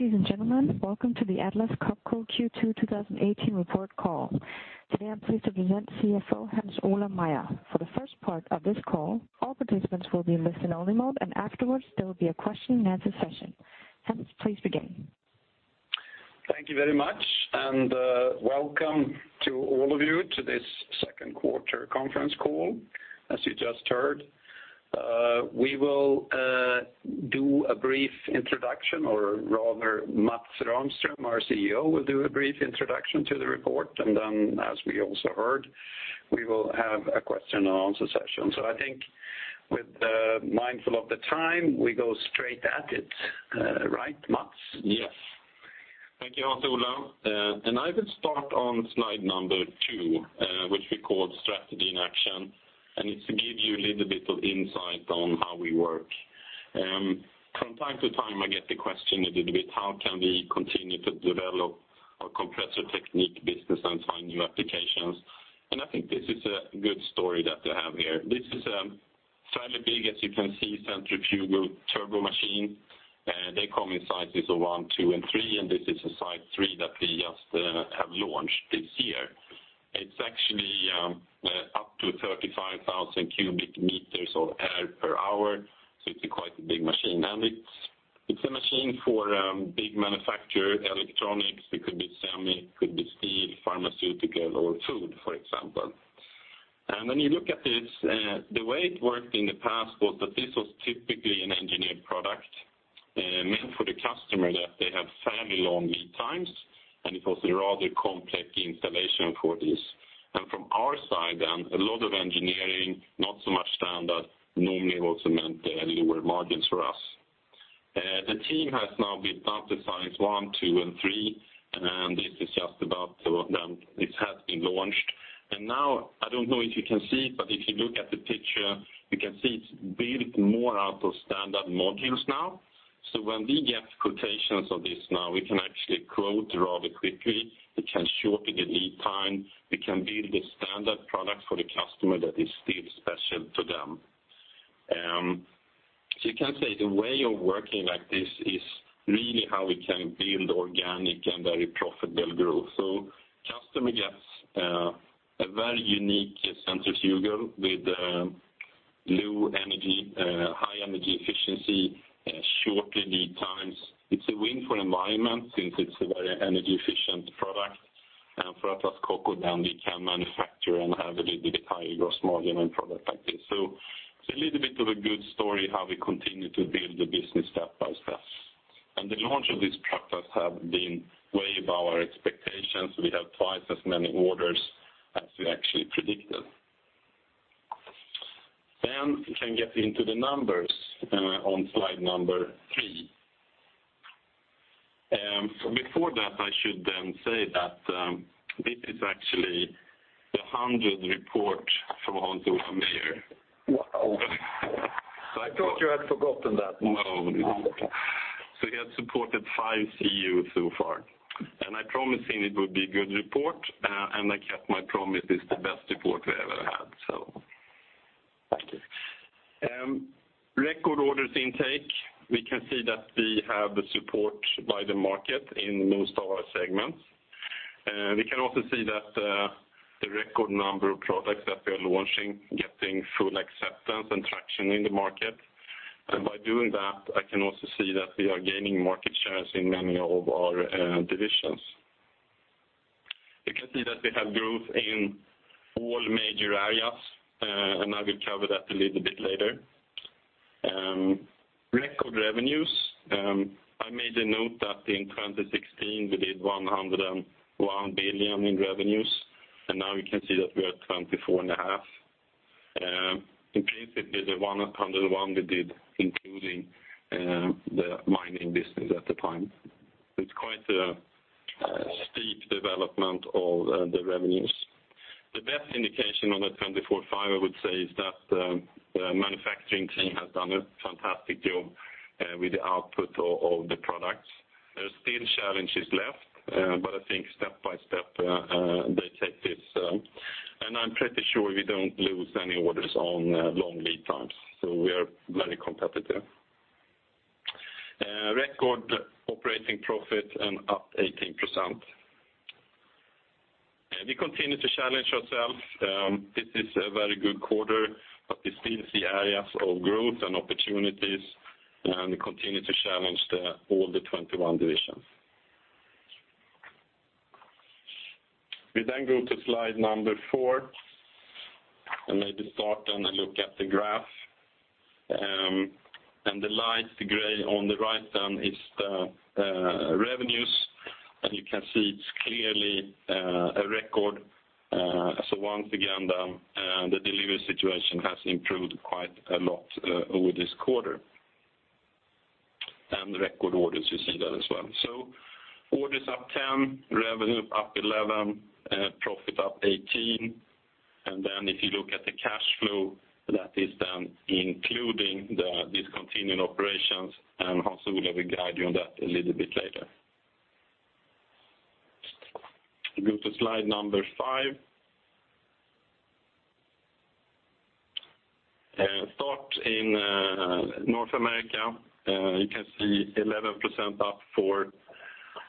Ladies and gentlemen, welcome to the Atlas Copco Q2 2018 report call. Today, I'm pleased to present CFO Hans Ola Meyer. For the first part of this call, all participants will be in listen only mode. Afterwards there will be a question and answer session. Hans, please begin. Thank you very much. Welcome to all of you to this second quarter conference call, as you just heard. We will do a brief introduction, or rather Mats Rahmström, our CEO, will do a brief introduction to the report. Then, as we also heard, we will have a question and answer session. I think mindful of the time, we go straight at it. Right, Mats? Yes. Thank you, Hans Ola. I will start on slide number two, which we call strategy in action. It's to give you a little bit of insight on how we work. From time to time, I get the question a little bit, how can we continue to develop our Compressor Technique business and find new applications? I think this is a good story that I have here. This is a fairly big, as you can see, centrifugal turbo machine. They come in sizes of one, two, and three, and this is a size 3 that we just have launched this year. It's actually up to 35,000 cubic meters of air per hour. It's quite a big machine. It's a machine for big manufacturer electronics. It could be semi, could be steel, pharmaceutical, or food, for example. When you look at this, the way it worked in the past was that this was typically an engineered product meant for the customer, that they have fairly long lead times. It was a rather complex installation for this. From our side, a lot of engineering, not so much standard, normally also meant lower margins for us. The team has now built up the size 1, 2, and 3, and this is just about two of them. It has been launched. Now, I don't know if you can see, but if you look at the picture, you can see it's built more out of standard modules now. When we get quotations of this now, we can actually quote rather quickly. We can shorten the lead time. We can build a standard product for the customer that is still special to them. You can say the way of working like this is really how we can build organic and very profitable growth. The customer gets a very unique centrifugal with low energy, high energy efficiency, shorter lead times. It's a win for the environment since it's a very energy-efficient product. For Atlas Copco, we can manufacture and have a little bit higher gross margin on product like this. It's a little bit of a good story how we continue to build the business step by step. The launch of this product has been way above our expectations. We have twice as many orders as we actually predicted. We can get into the numbers on slide three. Before that, I should say that this is actually the 100th report from Hans Ola Meyer. Wow. I thought you had forgotten that. No. He has supported five Customers so far, I promised him it would be a good report, I kept my promise. It's the best report we ever had, thank you. Record orders intake. We can see that we have the support by the market in most of our segments. We can also see that the record number of products that we are launching, getting full acceptance and traction in the market. By doing that, I can also see that we are gaining market shares in many of our divisions. You can see that we have growth in all major areas, I will cover that a little bit later. Record revenues. I made a note that in 2016, we did 101 billion in revenues, now you can see that we're at SEK 24.5 billion. In principle, the 101 billion we did including the mining business at the time. It's quite a steep development of the revenues. The best indication of that 24.5 billion, I would say, is that the manufacturing team has done a fantastic job with the output of the products. There are still challenges left, I think step by step they take this, I'm pretty sure we don't lose any orders on long lead times, we are very competitive. Record operating profit and up 18%. We continue to challenge ourselves. This is a very good quarter, we still see areas of growth and opportunities, we continue to challenge all the 21 divisions. We go to slide four, maybe start and look at the graph. The light gray on the right is the revenues, you can see it's clearly a record. Once again, the delivery situation has improved quite a lot over this quarter. The record orders, you see that as well. Orders up 10%, revenue up 11%, profit up 18%. Then if you look at the cash flow, that is then including the discontinued operations, and Hans Ola will guide you on that a little bit later. We go to slide number five. Start in North America, you can see 11% up for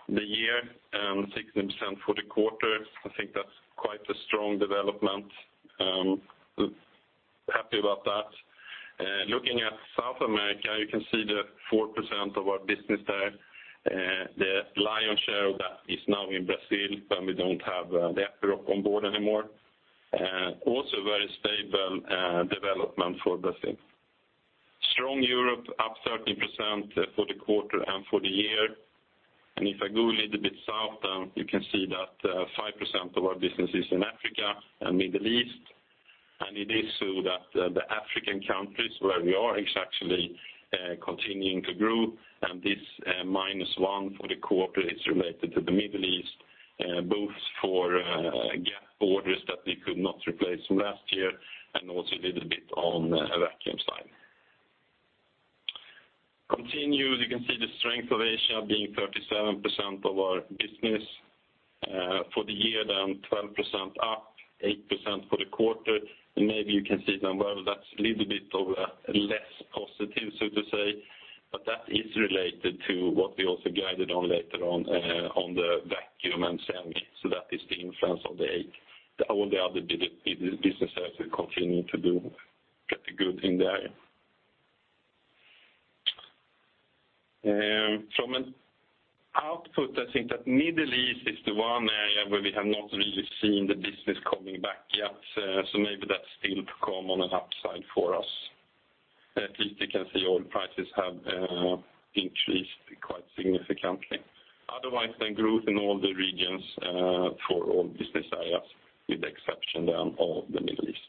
the year and 16% for the quarter. I think that's quite a strong development. I'm happy about that. Looking at South America, you can see the 4% of our business there, the lion's share of that is now in Brazil when we don't have the Epiroc on board anymore. Also very stable development for Brazil. Strong Europe, up 13% for the quarter and for the year. If I go a little bit south, you can see that 5% of our business is in Africa and Middle East, and it is so that the African countries where we are is actually continuing to grow, and this minus 1% for the quarter is related to the Middle East, both for gap orders that we could not replace from last year, and also a little bit on Vacuum Technique side. Continue, you can see the strength of Asia being 37% of our business. For the year, then 12% up, 8% for the quarter. Maybe you can see now, well, that's a little bit of a less positive, so to say, but that is related to what we also guided on later on the vacuum and semi, so that is the influence of the 8%. All the other businesses have continued to do pretty good in there. From an output, I think that Middle East is the one area where we have not really seen the business coming back yet, so maybe that's still to come on an upside for us. At least you can see oil prices have increased quite significantly. Otherwise, the growth in all the regions for all business areas, with the exception of the Middle East.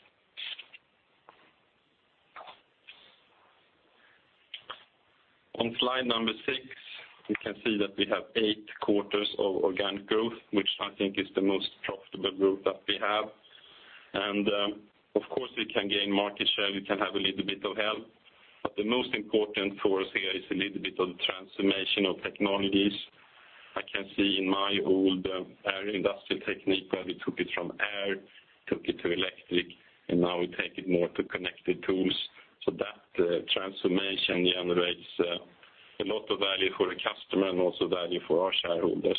On slide number six, we can see that we have eight quarters of organic growth, which I think is the most profitable growth that we have. Of course, we can gain market share, we can have a little bit of help, but the most important for us here is a little bit of transformation of technologies. I can see in my old area, Industrial Technique, where we took it from air, took it to electric, and now we take it more to connected tools. That transformation generates a lot of value for the customer and also value for our shareholders.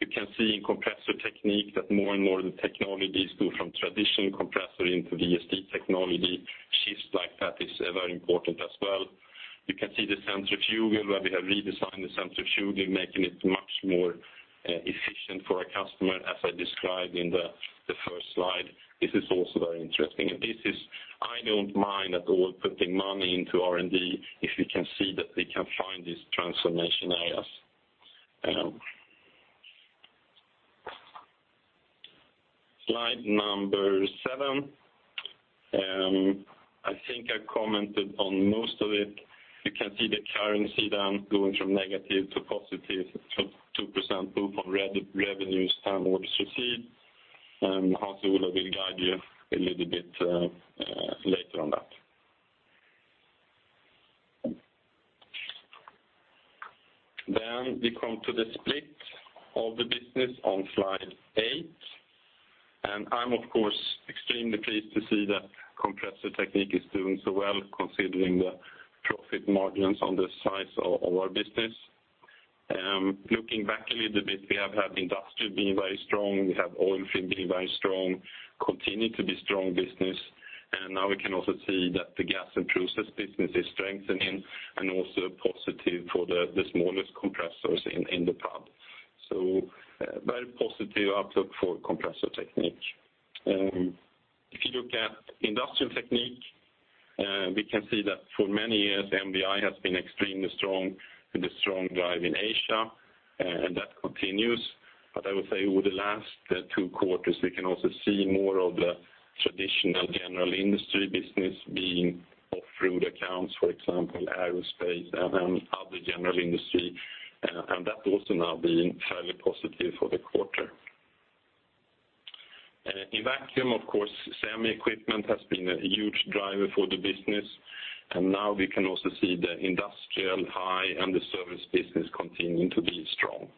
You can see in Compressor Technique that more and more the technologies go from traditional compressor into VSD technology. Shifts like that is very important as well. You can see the centrifugal, where we have redesigned the centrifugal, making it much more efficient for our customer, as I described in the first slide. This is also very interesting. I don't mind at all putting money into R&D if we can see that we can find these transformation areas. Slide number seven. I think I commented on most of it. You can see the currency down going from negative to positive, 2% both on revenues and orders received, and Hans Ola will guide you a little bit later on that. We come to the split of the business on slide eight. I'm of course extremely pleased to see that Compressor Technique is doing so well considering the profit margins on the size of our business. Looking back a little bit, we have had Industrial being very strong. We have oilfield being very strong, continue to be strong business, and now we can also see that the gas and process business is strengthening and also positive for the smallest compressors in the pub. A very positive outlook for Compressor Technique. If you look at Industrial Technique, we can see that for many years, MVI has been extremely strong with a strong drive in Asia, and that continues. I would say over the last two quarters, we can also see more of the traditional general industry business being off-road accounts, for example, aerospace and other general industry, and that also now being fairly positive for the quarter. In Vacuum Technique, of course, semi equipment has been a huge driver for the business, and now we can also see the industrial high end service business continuing to be strong.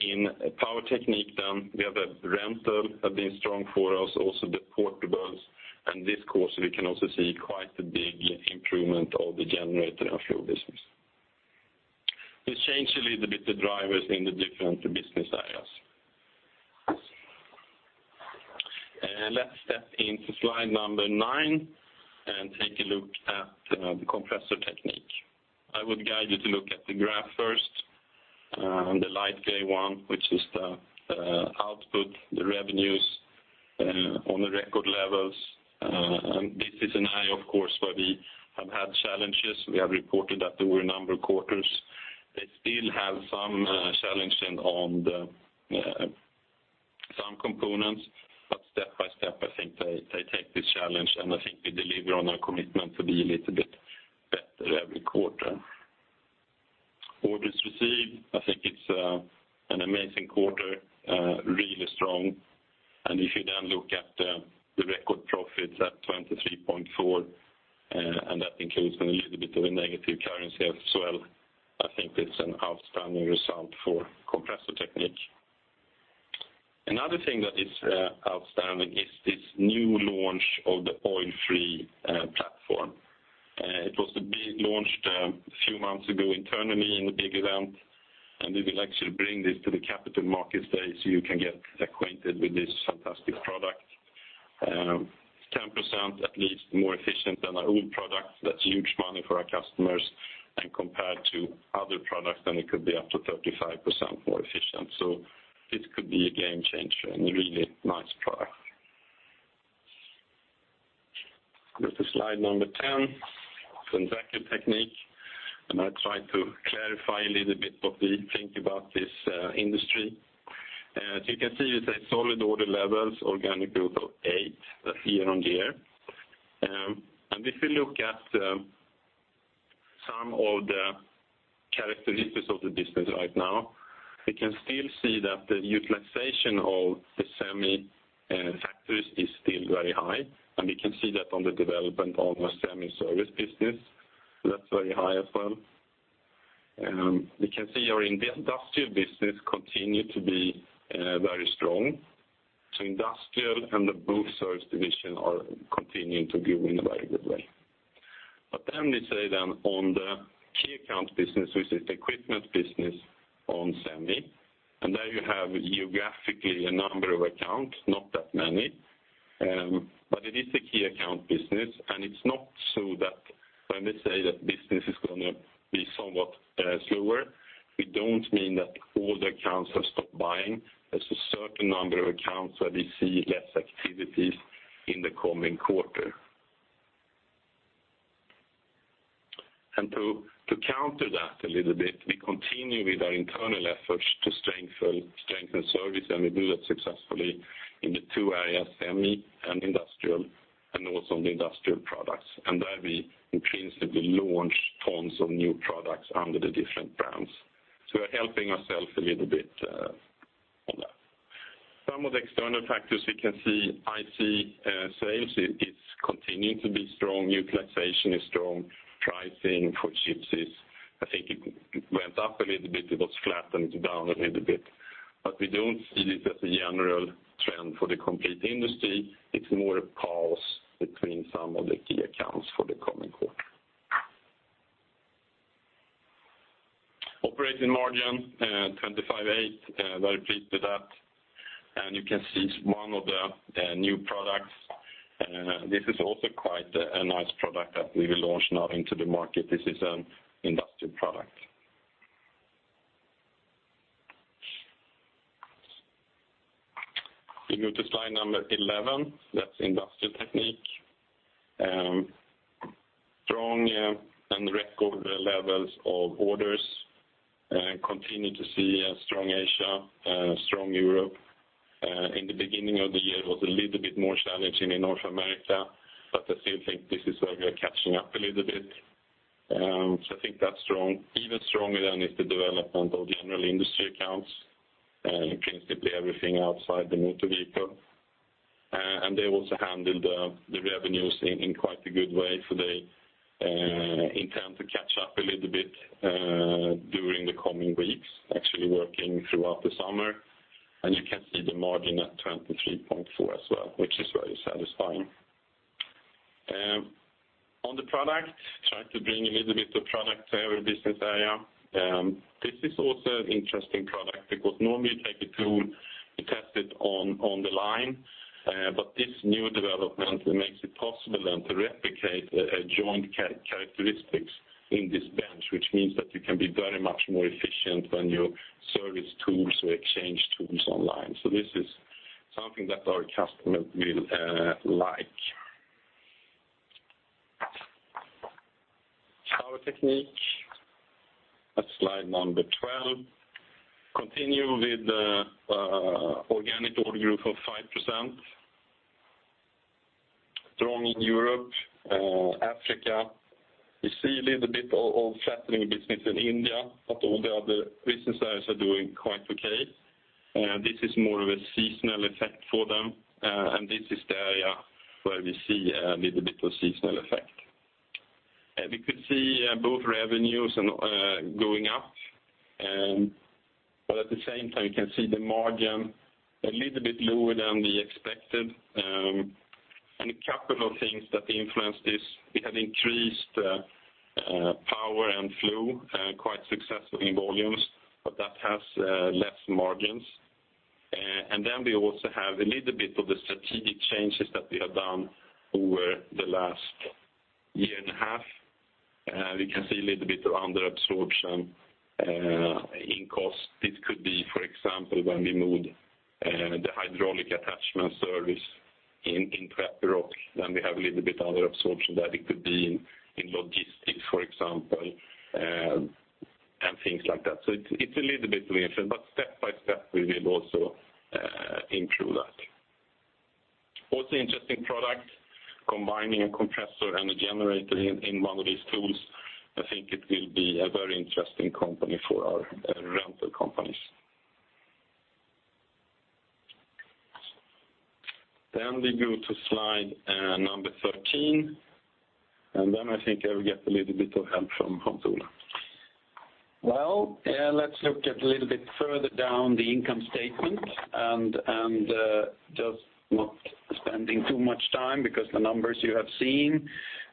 In Power Technique then, we have rental have been strong for us, also the portables, and this quarter we can also see quite a big improvement of the generator and flow business. We change a little bit the drivers in the different business areas. Let's step into slide number nine and take a look at the Compressor Technique. I would guide you to look at the graph first, the light gray one, which is the output, the revenues on the record levels. This is an area, of course, where we have had challenges. We have reported that over a number of quarters. They still have some challenging on some components, but step by step, I think they take this challenge, and I think we deliver on our commitment to be a little bit better every quarter. Orders received, I think it's an amazing quarter, really strong. If you then look at the record profits at 23.4%, and that includes a little bit of a negative currency as well, I think it's an outstanding result for Compressor Technique. Another thing that is outstanding is this new launch of the oil-free platform. It was launched a few months ago internally in a big event, and we will actually bring this to the Capital Markets Day so you can get acquainted with this fantastic product. It's 10% at least more efficient than our old product. That's huge money for our Customers, and compared to other products, it could be up to 35% more efficient. This could be a game changer and a really nice product. Go to slide number 10, Vacuum Technique, and I'll try to clarify a little bit what we think about this industry. As you can see, it's a solid order levels, organic growth of eight year-on-year. If you look at some of the characteristics of the business right now, we can still see that the utilization of the semi factories is still very high, and we can see that on the development of our semi service business. That's very high as well. We can see our industrial business continue to be very strong. Industrial and the service division are continuing to grow in a very good way. We say on the key account business, which is the equipment business on Semi, there you have geographically a number of accounts, not that many. It is a key account business, and it's not so that when we say that business is going to be somewhat slower, we don't mean that all the accounts have stopped buying. There's a certain number of accounts where we see less activities in the coming quarter. To counter that a little bit, we continue with our internal efforts to strengthen service, and we do that successfully in the two areas, Semi and industrial, and also on the industrial products. There we principally launched tons of new products under the different brands. We're helping ourselves a little bit on that. Some of the external factors, we can see IC sales is continuing to be strong, utilization is strong, pricing for chips is, I think it went up a little bit, it was flat and it's down a little bit. We don't see this as a general trend for the complete industry, it's more a pause between some of the key accounts for the coming quarter. Operating margin, 25.8%, very pleased with that. You can see one of the new products. This is also quite a nice product that we will launch now into the market. This is an industrial product. We go to slide 11, that's Industrial Technique. Strong and record levels of orders, continue to see a strong Asia, strong Europe. In the beginning of the year was a little bit more challenging in North America, I still think this is where we are catching up a little bit. I think that's even stronger than is the development of general industry accounts, principally everything outside the Motor Vehicle. They also handled the revenues in quite a good way, they intend to catch up a little bit during the coming weeks, actually working throughout the summer. You can see the margin at 23.4% as well, which is very satisfying. On the product, try to bring a little bit of product to every business area. This is also an interesting product because normally you take a tool, you test it on the line, this new development makes it possible then to replicate joint characteristics in this bench, which means that you can be very much more efficient when you service tools or exchange tools online. This is something that our customer will like. Power Technique. That's slide 12. Continue with the organic order growth of 5%. Strong in Europe, Africa. We see a little bit of flattening business in India, all the other business areas are doing quite okay. This is more of a seasonal effect for them, this is the area where we see a little bit of seasonal effect. We could see both revenues going up, but at the same time, you can see the margin a little bit lower than we expected, and a couple of things that influenced this. We have increased power and flow quite successfully in volumes, but that has less margins. We also have a little bit of the strategic changes that we have done over the last year and a half. We can see a little bit of under absorption in cost. This could be, for example, when we moved the hydraulic attachment service in Epiroc. We have a little bit under absorption that it could be in logistics, for example, and things like that. It's a little bit of an influence, but step by step, we will also improve that. Also interesting product, combining a compressor and a generator in one of these tools. I think it will be a very interesting company for our rental companies. We go to slide number 13. I think I will get a little bit of help from Hans Olav. Well, let's look at a little bit further down the income statement and just not spending too much time because the numbers you have seen.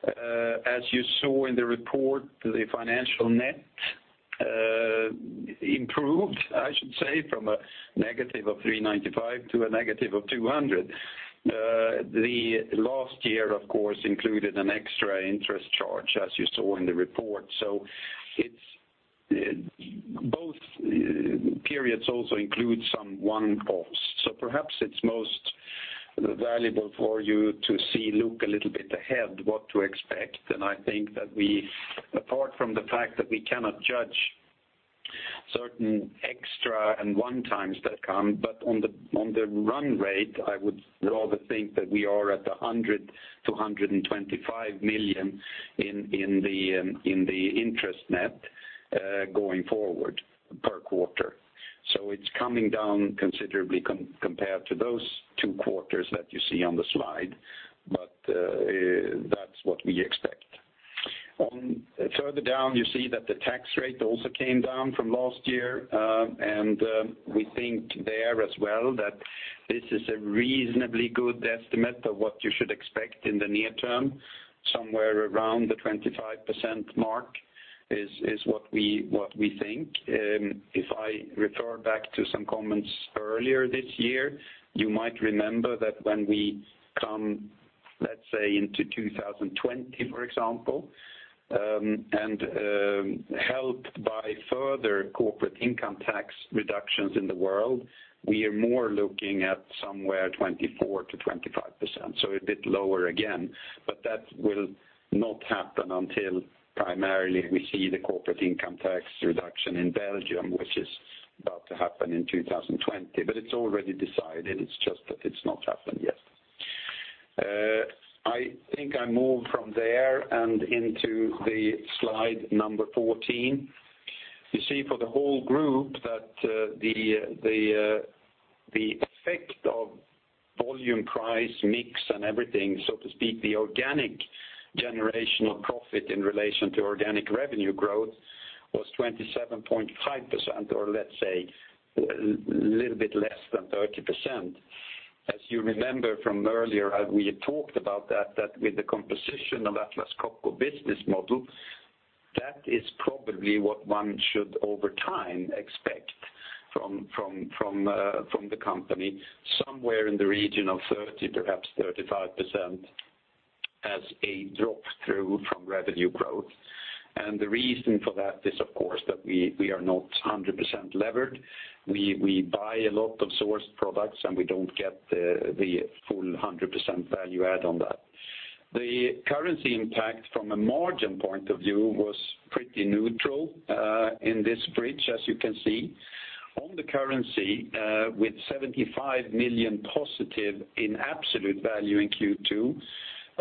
As you saw in the report, the financial net improved, I should say, from a negative 395 to a negative 200. The last year, of course, included an extra interest charge, as you saw in the report. Both periods also include some one-offs. Perhaps it's most valuable for you to see, look a little bit ahead, what to expect. I think that apart from the fact that we cannot judge certain extra and one times that come, but on the run rate, I would rather think that we are at 100 million to 125 million in the interest net, going forward per quarter. It's coming down considerably compared to those two quarters that you see on the slide. That's what we expect. Further down, you see that the tax rate also came down from last year, and we think there as well, that this is a reasonably good estimate of what you should expect in the near term, somewhere around the 25% mark is what we think. If I refer back to some comments earlier this year, you might remember that when we come, let's say, into 2020, for example, and helped by further corporate income tax reductions in the world, we are more looking at somewhere 24%-25%. A bit lower again, but that will not happen until primarily we see the corporate income tax reduction in Belgium, which is about to happen in 2020. It's already decided. It's just that it's not happened yet. I think I move from there into slide 14. You see for the whole group that the effect of volume price mix and everything, so to speak, the organic generation of profit in relation to organic revenue growth was 27.5%, or let's say, a little bit less than 30%. As you remember from earlier, we had talked about that with the composition of Atlas Copco business model, that is probably what one should over time expect from the company, somewhere in the region of 30%, perhaps 35% as a drop-through from revenue growth. The reason for that is, of course, that we are not 100% levered. We buy a lot of sourced products, and we don't get the full 100% value add on that. The currency impact from a margin point of view was pretty neutral in this bridge, as you can see. On the currency, with 75 million positive in absolute value in Q2,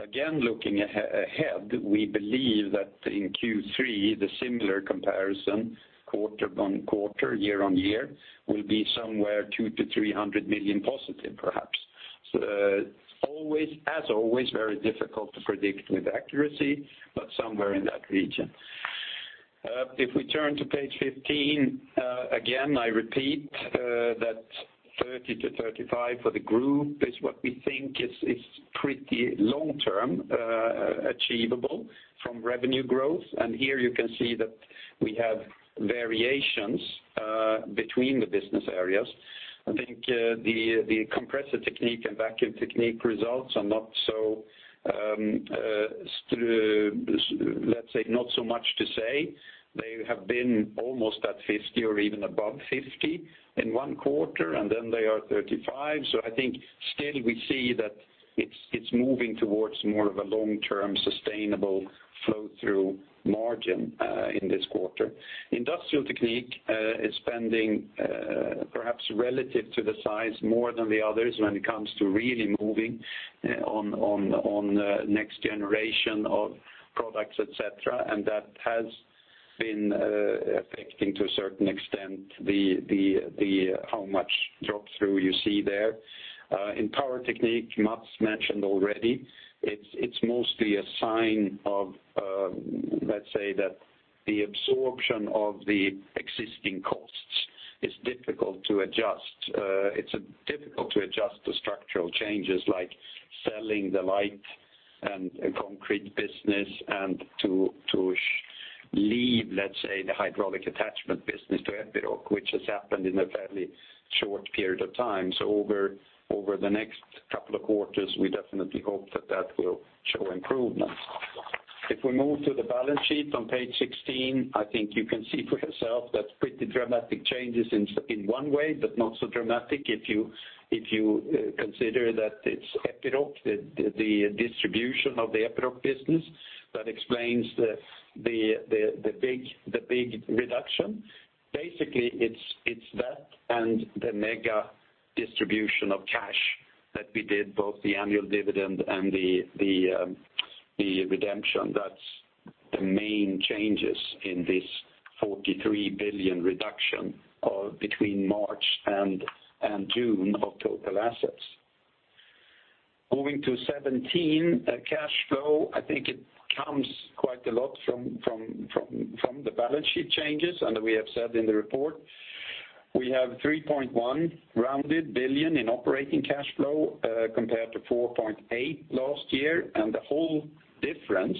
again, looking ahead, we believe that in Q3, the similar comparison quarter-on-quarter, year-on-year, will be somewhere 200 million-300 million positive, perhaps. As always, very difficult to predict with accuracy, but somewhere in that region. If we turn to page 15, again, I repeat that 30%-35% for the group is what we think is pretty long-term achievable from revenue growth. Here you can see that we have variations between the business areas. I think the Compressor Technique and Vacuum Technique results are not so much to say. They have been almost at 50% or even above 50% in one quarter, and then they are 35%. I think still we see that it's moving towards more of a long-term sustainable flow-through margin in this quarter. Industrial Technique is spending perhaps relative to the size more than the others when it comes to really moving on next generation of products, et cetera. That has been affecting to a certain extent how much drop-through you see there. In Power Technique, Mats mentioned already, it's mostly a sign of, let's say that the absorption of the existing costs is difficult to adjust. It's difficult to adjust the structural changes like selling the light and concrete business and to leave, let's say, the hydraulic attachment business to Epiroc, which has happened in a fairly short period of time. Over the next couple of quarters, we definitely hope that that will show improvement. If we move to the balance sheet on page 16, I think you can see for yourself that pretty dramatic changes in one way, but not so dramatic if you consider that it's Epiroc, the distribution of the Epiroc business that explains the big reduction. Basically, it's that and the mega distribution of cash that we did, both the annual dividend and the redemption. The main changes in this 43 billion reduction between March and June of total assets. Moving to 2017 cash flow, I think it comes quite a lot from the balance sheet changes. We have said in the report, we have 3.1 rounded billion in operating cash flow, compared to 4.8 billion last year. The whole difference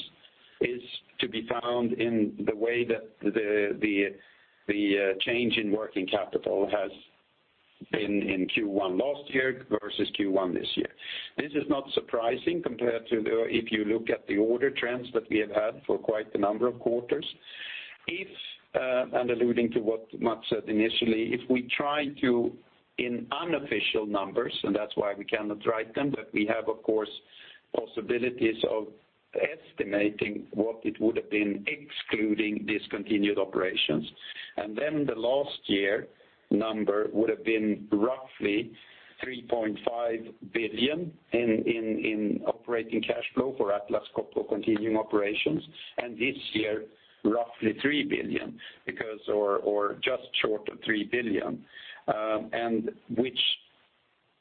is to be found in the way that the change in working capital has been in Q1 last year versus Q1 this year. This is not surprising compared to if you look at the order trends that we have had for quite a number of quarters. Alluding to what Mats said initially, if we try to, in unofficial numbers, that's why we cannot write them, but we have, of course, possibilities of estimating what it would have been excluding discontinued operations. The last year number would've been roughly 3.5 billion in operating cash flow for Atlas Copco continuing operations. This year, roughly 3 billion, or just short of 3 billion. Which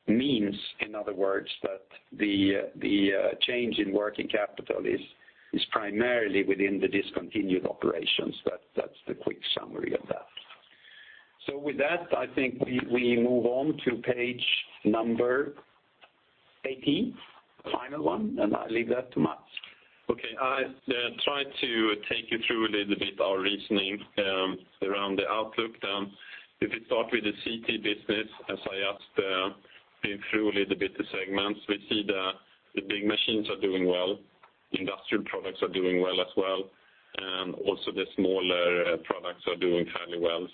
means, in other words, that the change in working capital is primarily within the discontinued operations. That's the quick summary of that. With that, I think we move on to page number 18, the final one, and I leave that to Mats. I try to take you through a little bit our reasoning around the outlook. We start with the CT business, as I asked, being through a little bit the segments, we see the big machines are doing well, industrial products are doing well as well, and also the smaller products are doing fairly well.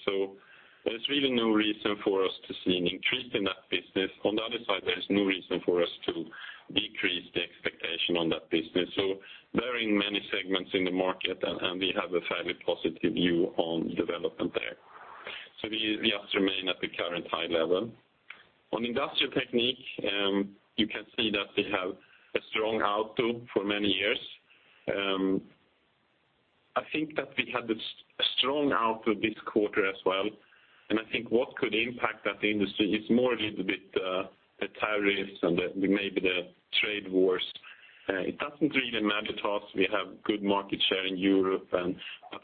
There's really no reason for us to see an increase in that business. On the other side, there is no reason for us to decrease the expectation on that business. Very many segments in the market, and we have a fairly positive view on development there. We just remain at the current high level. On Industrial Technique, you can see that we have a strong output for many years. I think that we had a strong output this quarter as well, and I think what could impact that industry is more a little bit the tariffs and maybe the trade wars. It doesn't really matter to us. We have good market share in Europe, but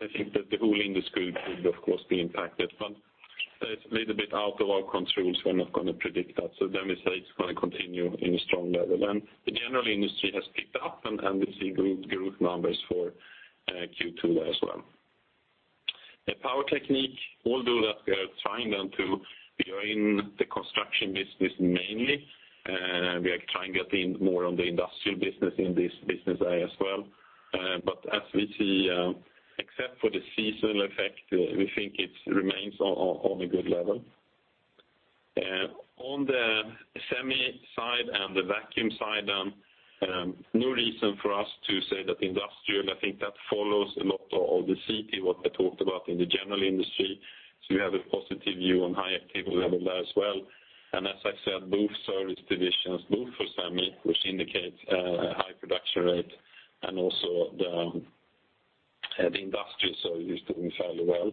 I think that the whole industry could, of course, be impacted. That is a little bit out of our controls. We're not going to predict that. We say it's going to continue in a strong level. The general industry has picked up, and we see good numbers for Q2 as well. The Power Technique, although that we are trying then to be in the construction business mainly, we are trying to get in more on the industrial business in this business as well. As we see, except for the seasonal effect, we think it remains on a good level. On the semi side and the Vacuum Technique side, no reason for us to say that industrial, I think that follows a lot of the CT, what I talked about in the general industry. We have a positive view on high active level there as well. As I said, both service divisions, both for semi, which indicates a high production rate, and also the industrial service doing fairly well.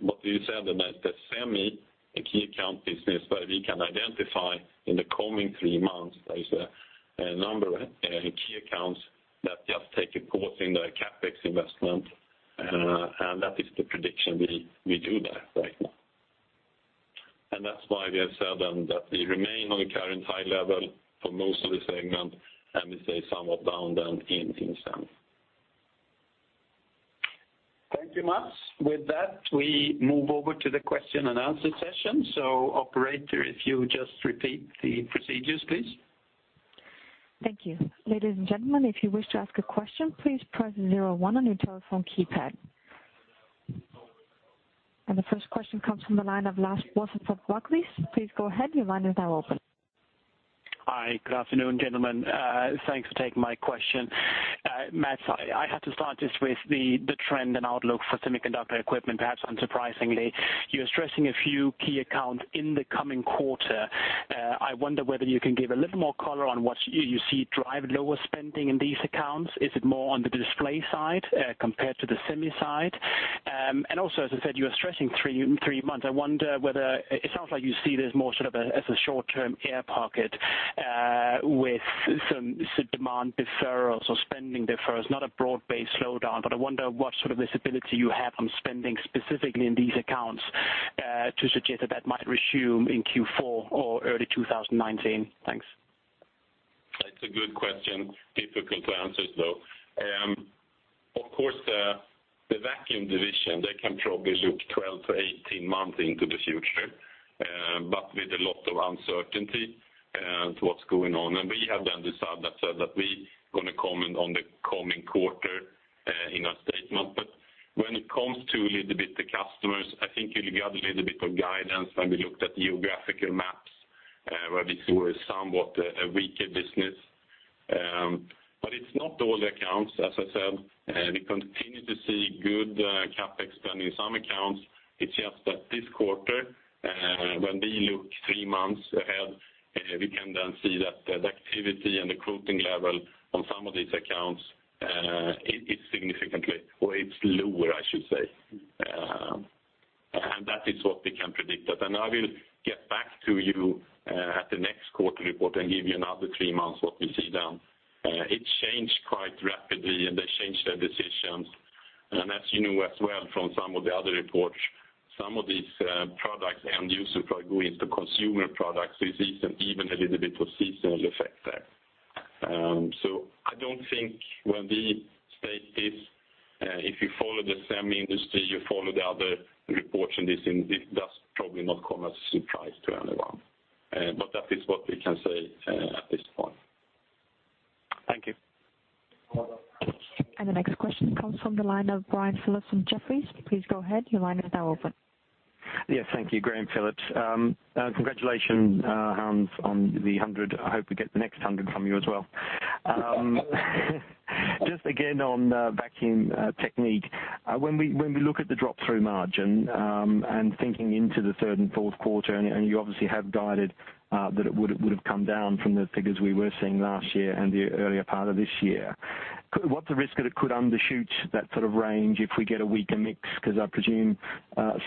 What we said then is that semi, a key account business where we can identify in the coming 3 months, there is a number in key accounts that just take a pause in the CapEx investment, and that is the prediction we do there right now. That's why we have said then that we remain on the current high level for most of the segment, and we say somewhat down in semi. Thank you, Mats. With that, we move over to the question and answer session. Operator, if you just repeat the procedures, please. Thank you. Ladies and gentlemen, if you wish to ask a question, please press zero one on your telephone keypad. The first question comes from the line of Klas Bergelind from Barclays. Please go ahead. Your line is now open. Hi. Good afternoon, gentlemen. Thanks for taking my question. Mats, I have to start just with the trend and outlook for semiconductor equipment, perhaps unsurprisingly. You're stressing a few key accounts in the coming quarter. I wonder whether you can give a little more color on what you see drive lower spending in these accounts. Is it more on the display side compared to the semi side? Also, as I said, you are stressing three months. I wonder whether, it sounds like you see this more sort of as a short-term air pocket, with some demand deferrals or spending deferrals, not a broad-based slowdown, but I wonder what sort of visibility you have on spending specifically in these accounts, to suggest that that might resume in Q4 or early 2019. Thanks. That's a good question. Difficult to answer, though. Of course, the Vacuum Technique, they can probably look 12-18 months into the future, but with a lot of uncertainty as to what's going on. We have then decided that we going to comment on the coming quarter in our statement. When it comes to a little bit the customers, I think you'll get a little bit of guidance when we looked at geographical maps, where we saw a somewhat weaker business. But it's not all accounts, as I said, we continue to see good CapEx spending in some accounts. It's just that this quarter, when we look three months ahead We can then see that the activity and the quoting level on some of these accounts is significantly, or it's lower, I should say. That is what we can predict. I will get back to you at the next quarter report and give you another three months what we see then. It changed quite rapidly, and they changed their decisions. As you know as well from some of the other reports, some of these products end-use go into consumer products, we see even a little bit of seasonal effect there. I don't think when we state this, if you follow the semi industry, you follow the other reports, this does probably not come as a surprise to anyone. That is what we can say at this point. Thank you. The next question comes from the line of Graham Phillips from Jefferies. Please go ahead. Your line is now open. Thank you, Graham Phillips. Congratulations, Hans, on the 100. I hope we get the next 100 from you as well. Just again, on Vacuum Technique. Thinking into the third and fourth quarter, you obviously have guided that it would've come down from the figures we were seeing last year and the earlier part of this year. What's the risk that it could undershoot that sort of range if we get a weaker mix? I presume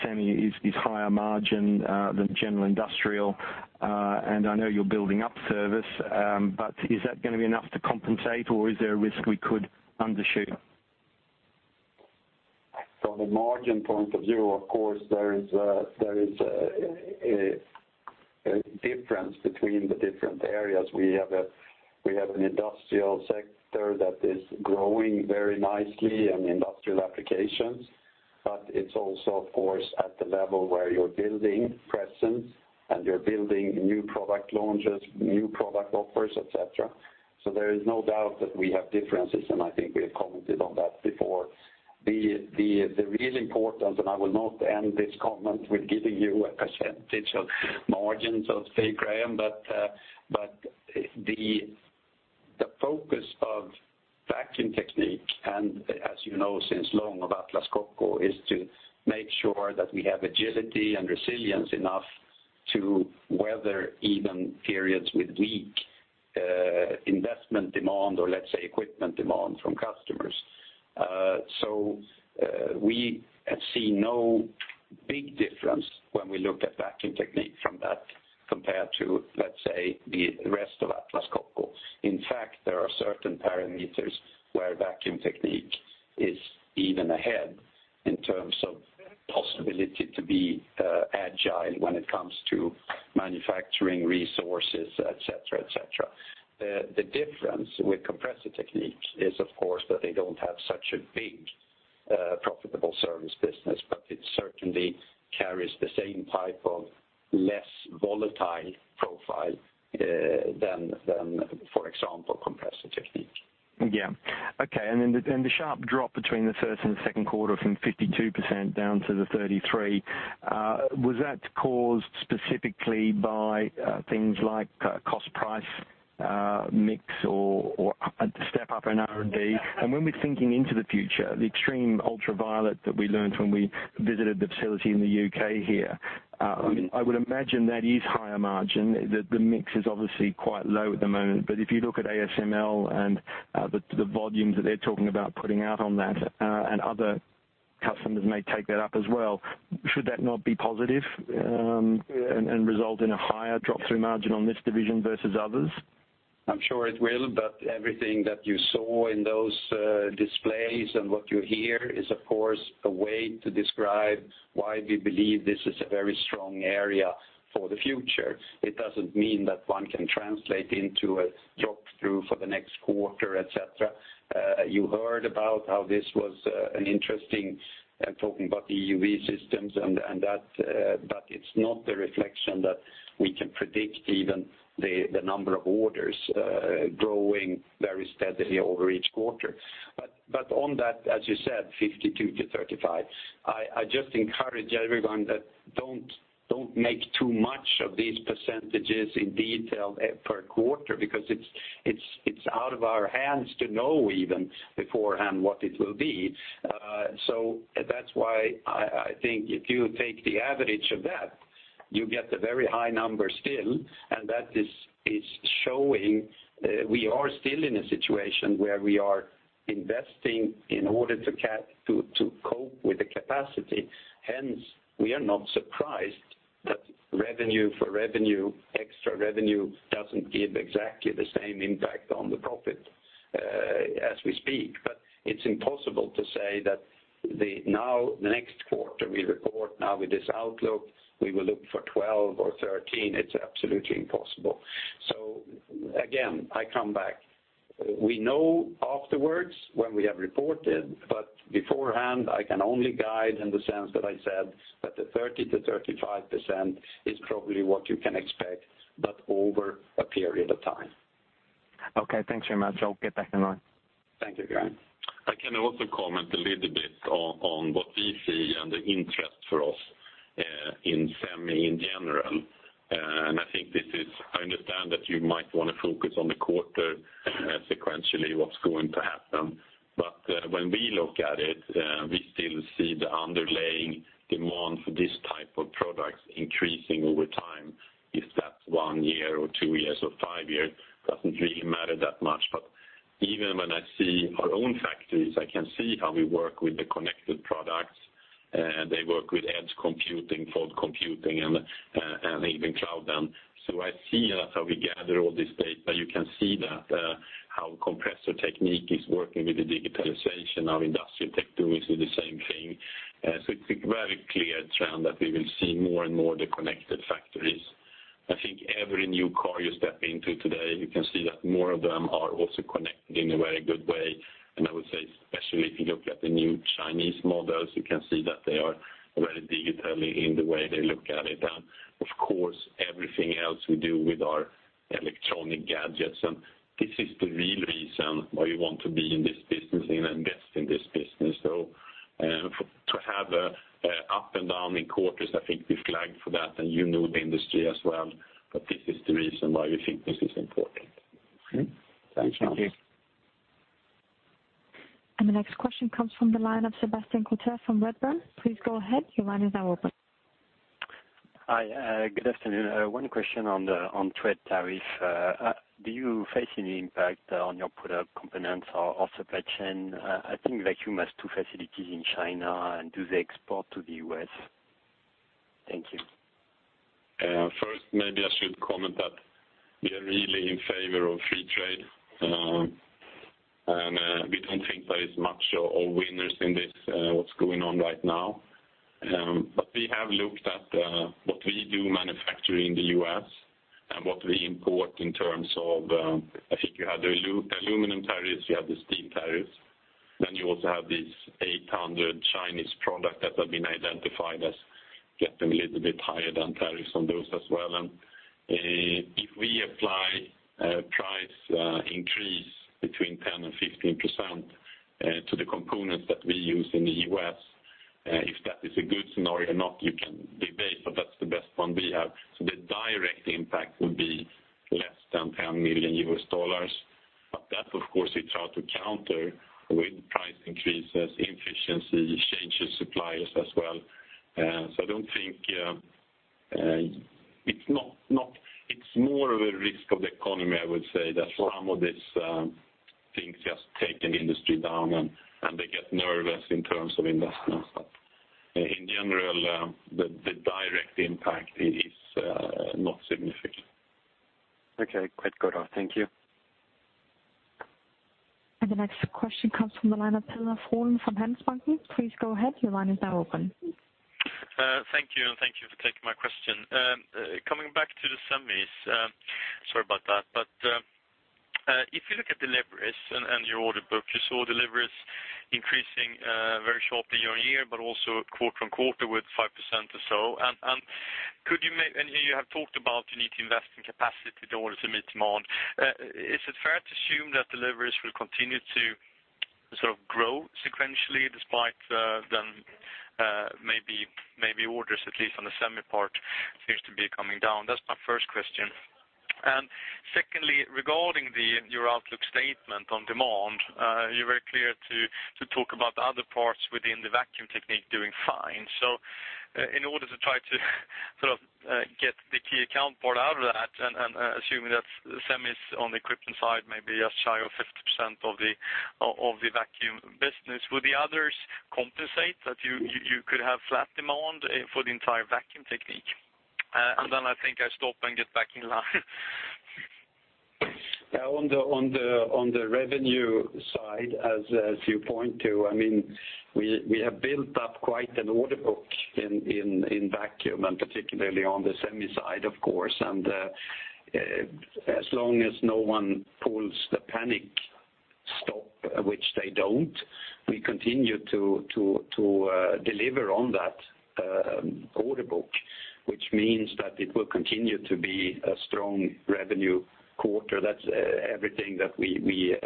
semi is higher margin than general industrial, and I know you're building up service. Is that going to be enough to compensate, or is there a risk we could undershoot? From a margin point of view, of course, there is a difference between the different areas. We have an industrial sector that is growing very nicely and industrial applications, but it's also, of course, at the level where you're building presence and you're building new product launches, new product offers, et cetera. There is no doubt that we have differences, and I think we have commented on that before. The real importance, and I will not end this comment with giving you a percentage of margins, I'll say, Graham. The focus of Vacuum Technique, and as you know, since long of Atlas Copco, is to make sure that we have agility and resilience enough to weather even periods with weak investment demand, or let's say, equipment demand from Customers. We have seen no big difference when we look at Vacuum Technique from that compared to, let's say, the rest of Atlas Copco. In fact, there are certain parameters where Vacuum Technique is even ahead in terms of possibility to be agile when it comes to manufacturing resources, et cetera. The difference with Compressor Technique is, of course, that they don't have such a big profitable service business, but it certainly carries the same type of less volatile profile, than, for example, Compressor Technique. The sharp drop between the first and second quarter from 52% down to the 33%, was that caused specifically by things like cost price mix or a step up in R&D? When we're thinking into the future, the extreme ultraviolet that we learned when we visited the facility in the U.K. here, I would imagine that is higher margin. The mix is obviously quite low at the moment, but if you look at ASML and the volumes that they're talking about putting out on that, and other Customers may take that up as well, should that not be positive, and result in a higher drop-through margin on this division versus others? I'm sure it will, everything that you saw in those displays and what you hear is, of course, a way to describe why we believe this is a very strong area for the future. It doesn't mean that one can translate into a drop-through for the next quarter, et cetera. You heard about how this was an interesting, talking about EUV systems, but it's not a reflection that we can predict even the number of orders growing very steadily over each quarter. On that, as you said, 52% to 35%, I just encourage everyone that don't make too much of these percentages in detail per quarter because it's out of our hands to know even beforehand what it will be. That's why I think if you take the average of that, you get a very high number still, and that is showing we are still in a situation where we are investing in order to cope with the capacity. Hence, we are not surprised that revenue for revenue, extra revenue, doesn't give exactly the same impact on the profit as we speak. It's impossible to say that now the next quarter we report now with this outlook, we will look for 12 or 13. It's absolutely impossible. Again, I come back. We know afterwards when we have reported, but beforehand, I can only guide in the sense that I said that the 30%-35% is probably what you can expect, but over a period of time. Okay, thanks very much. I'll get back in line. Thank you, Graham. I can also comment a little bit on what we see and the interest for us in semi in general. I understand that you might want to focus on the quarter sequentially, what's going to happen. When we look at it, we still see the underlying demand for this type of products increasing over time one year or two years or five years, doesn't really matter that much. Even when I see our own factories, I can see how we work with the connected products. They work with edge computing, fog computing, and even cloud then. I see that's how we gather all this data. You can see that, how Compressor Technique is working with the digitalization, our Industrial Technique too is do the same thing. It's a very clear trend that we will see more and more the connected factories. I think every new car you step into today, you can see that more of them are also connected in a very good way. I would say especially if you look at the new Chinese models, you can see that they are very digitally in the way they look at it. Of course, everything else we do with our electronic gadgets, this is the real reason why we want to be in this business and invest in this business. To have a up and down in quarters, I think we've flagged for that, and you know the industry as well, but this is the reason why we think this is important. Okay. Thanks, Hans. Thank you. The next question comes from the line of Sebastian Kuenne from Redburn. Please go ahead, your line is now open. Hi, good afternoon. One question on trade tariff. Do you face any impact on your product components or supply chain? I think Vacuum Technique has two facilities in China. Do they export to the U.S.? Thank you. First, maybe I should comment that we are really in favor of free trade. We do not think there is much of winners in this, what is going on right now. We have looked at what we do manufacture in the U.S. and what we import in terms of, I think you have the aluminum tariffs, you have the steel tariffs, you also have these 800 Chinese products that have been identified as getting a little bit higher than tariffs on those as well. If we apply a price increase between 10% and 15% to the components that we use in the U.S., if that is a good scenario or not, you can debate, but that is the best one we have. The direct impact would be less than $10 million. That, of course, we try to counter with price increases, efficiency, changes suppliers as well. It is more of a risk of the economy, I would say, that some of these things just take an industry down, and they get nervous in terms of investments. In general, the direct impact is not significant. Okay. Quite good. Thank you. The next question comes from the line of Peder Holven from Handelsbanken. Please go ahead, your line is now open. Thank you, and thank you for taking my question. Coming back to the semis, sorry about that. If you look at deliveries and your order book, you saw deliveries increasing very sharply year-over-year, but also quarter-over-quarter with 5% or so. Here you have talked about you need to invest in capacity to order to meet demand. Is it fair to assume that deliveries will continue to sort of grow sequentially despite the maybe orders at least on the semi part seems to be coming down? That's my first question. Secondly, regarding your outlook statement on demand, you're very clear to talk about the other parts within the Vacuum Technique doing fine. In order to try to sort of get the key account part out of that, and assuming that semis on the equipment side may be just shy of 50% of the Vacuum business, will the others compensate that you could have flat demand for the entire Vacuum Technique? I think I stop and get back in line. On the revenue side, as you point to, we have built up quite an order book in Vacuum, and particularly on the semi side, of course. As long as no one pulls the panic stop, which they don't, we continue to deliver on that order book, which means that it will continue to be a strong revenue quarter. That's everything that we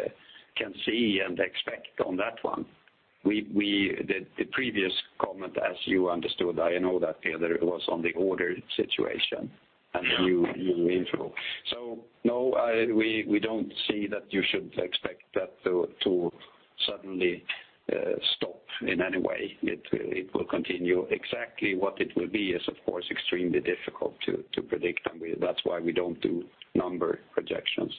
can see and expect on that one. The previous comment, as you understood, I know that, Peder, it was on the order situation and the new intro. No, we don't see that you should expect that to suddenly stop in any way. It will continue. Exactly what it will be is, of course, extremely difficult to predict, and that's why we don't do number projections.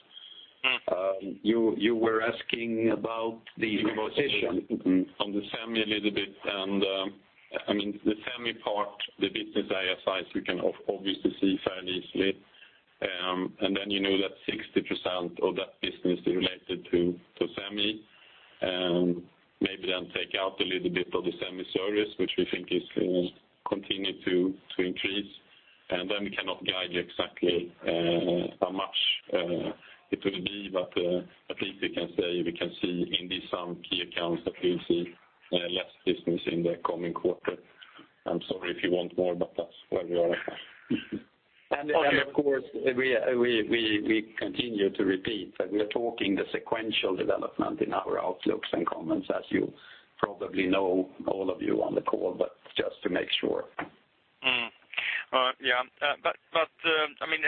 You were asking about the composition. On the semi a little bit, the semi part, the business ASI, we can obviously see fairly easily. You know that 60% of that business is related to semi, maybe then take out a little bit of the semi service, which we think is going to continue to increase, and then we cannot guide exactly how much it will be. At least we can say we can see indeed some key accounts that we will see less business in the coming quarter. I am sorry if you want more, but that is where we are. Of course, we continue to repeat that we are talking the sequential development in our outlooks and comments, as you probably know, all of you on the call, but just to make sure.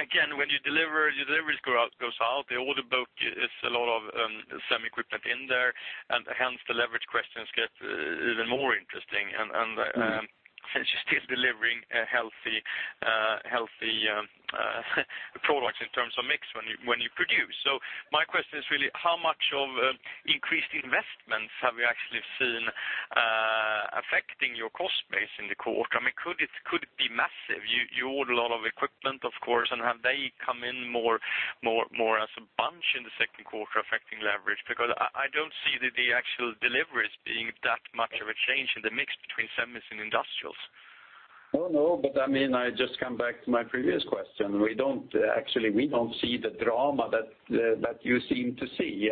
Again, when your deliveries goes out, the order book is a lot of semi equipment in there, and hence the leverage questions get even more interesting. She is still delivering a healthy products in terms of mix when you produce. My question is really how much of increased investments have you actually seen affecting your cost base in the quarter? Could it be massive? You order a lot of equipment, of course, and have they come in more as a bunch in the second quarter affecting leverage? I do not see the actual deliveries being that much of a change in the mix between semis and industrials. I just come back to my previous question. Actually, we don't see the drama that you seem to see.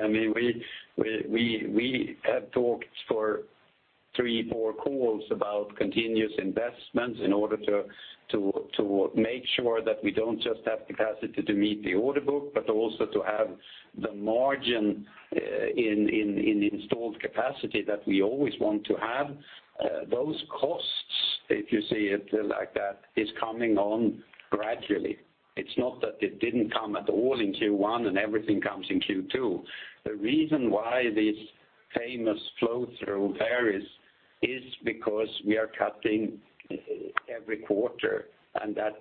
We have talked for three, four calls about continuous investments in order to make sure that we don't just have capacity to meet the order book, but also to have the margin in installed capacity that we always want to have. Those costs, if you see it like that, are coming on gradually. It's not that it didn't come at all in Q1 and everything comes in Q2. The reason why these famous flow through varies is because we are cutting every quarter. That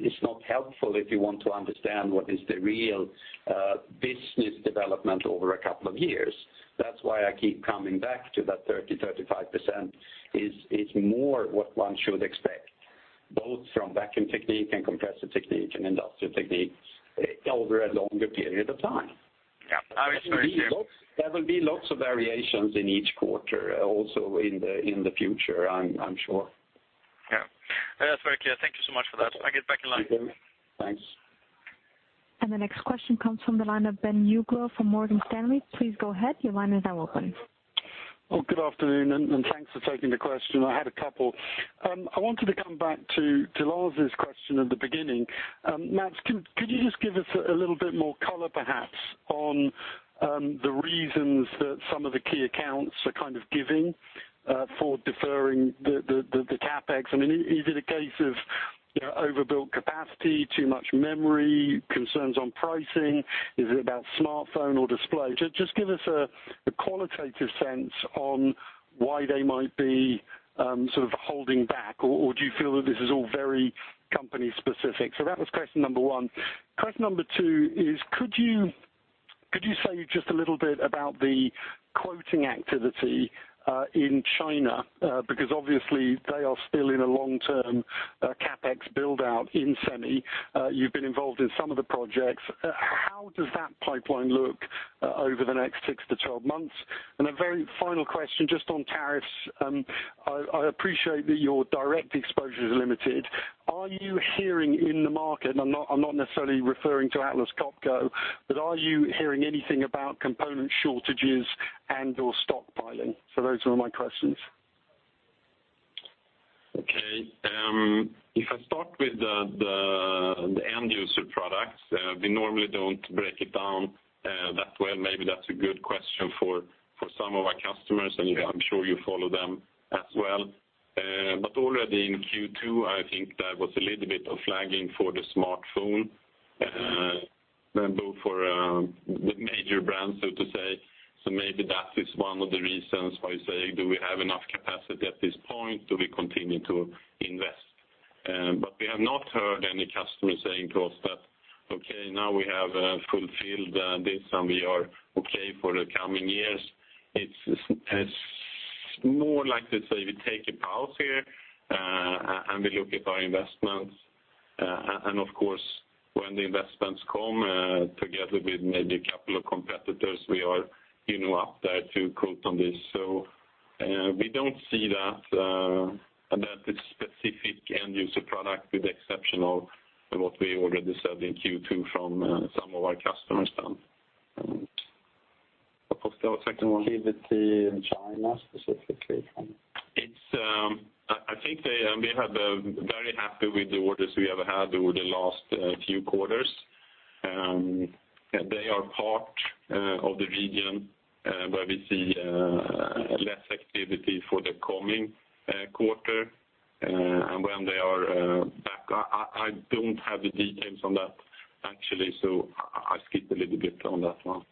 is not helpful if you want to understand what is the real business development over a couple of years. That's why I keep coming back to that 30%-35% is more what one should expect, both from Vacuum Technique and Compressor Technique and Industrial Technique over a longer period of time. That is very clear. There will be lots of variations in each quarter, also in the future, I'm sure. Yeah. That's very clear. Thank you so much for that. I get back in line. Thank you. Thanks. The next question comes from the line of Ben Uglow from Morgan Stanley. Please go ahead. Your line is now open. Well, good afternoon, and thanks for taking the question. I had a couple. I wanted to come back to Klas' question at the beginning. Mats, could you just give us a little bit more color, perhaps, on the reasons that some of the key accounts are kind of giving for deferring the CapEx? Is it a case of overbuilt capacity, too much memory, concerns on pricing? Is it about smartphone or display? Just give us a qualitative sense on why they might be sort of holding back, or do you feel that this is all very company specific? That was question number 1. Question number 2 is could you say just a little bit about the quoting activity in China? Because obviously they are still in a long-term CapEx build-out in semi. You've been involved in some of the projects. How does that pipeline look over the next six to 12 months? A very final question, just on tariffs. I appreciate that your direct exposure is limited. Are you hearing in the market, and I am not necessarily referring to Atlas Copco, but are you hearing anything about component shortages and/or stockpiling? Those are my questions. Okay. If I start with the end user products, we normally don't break it down that way. Maybe that's a good question for some of our customers, and I'm sure you follow them as well. Already in Q2, I think there was a little bit of lagging for the smartphone, both for the major brands, so to say. Maybe that is one of the reasons why you say, do we have enough capacity at this point? Do we continue to invest? We have not heard any customers saying to us that, okay, now we have fulfilled this, and we are okay for the coming years. It's more like they say, we take a pause here, and we look at our investments. Of course, when the investments come, together with maybe a couple of competitors, we are up there to quote on this. We don't see that specific end user product with the exception of what we already said in Q2 from some of our customers then. Of course, the second one- Activity in China specifically from- I think we have been very happy with the orders we have had over the last few quarters. They are part of the region where we see less activity for the coming quarter. When they are back, I don't have the details on that, actually, so I skip a little bit on that one.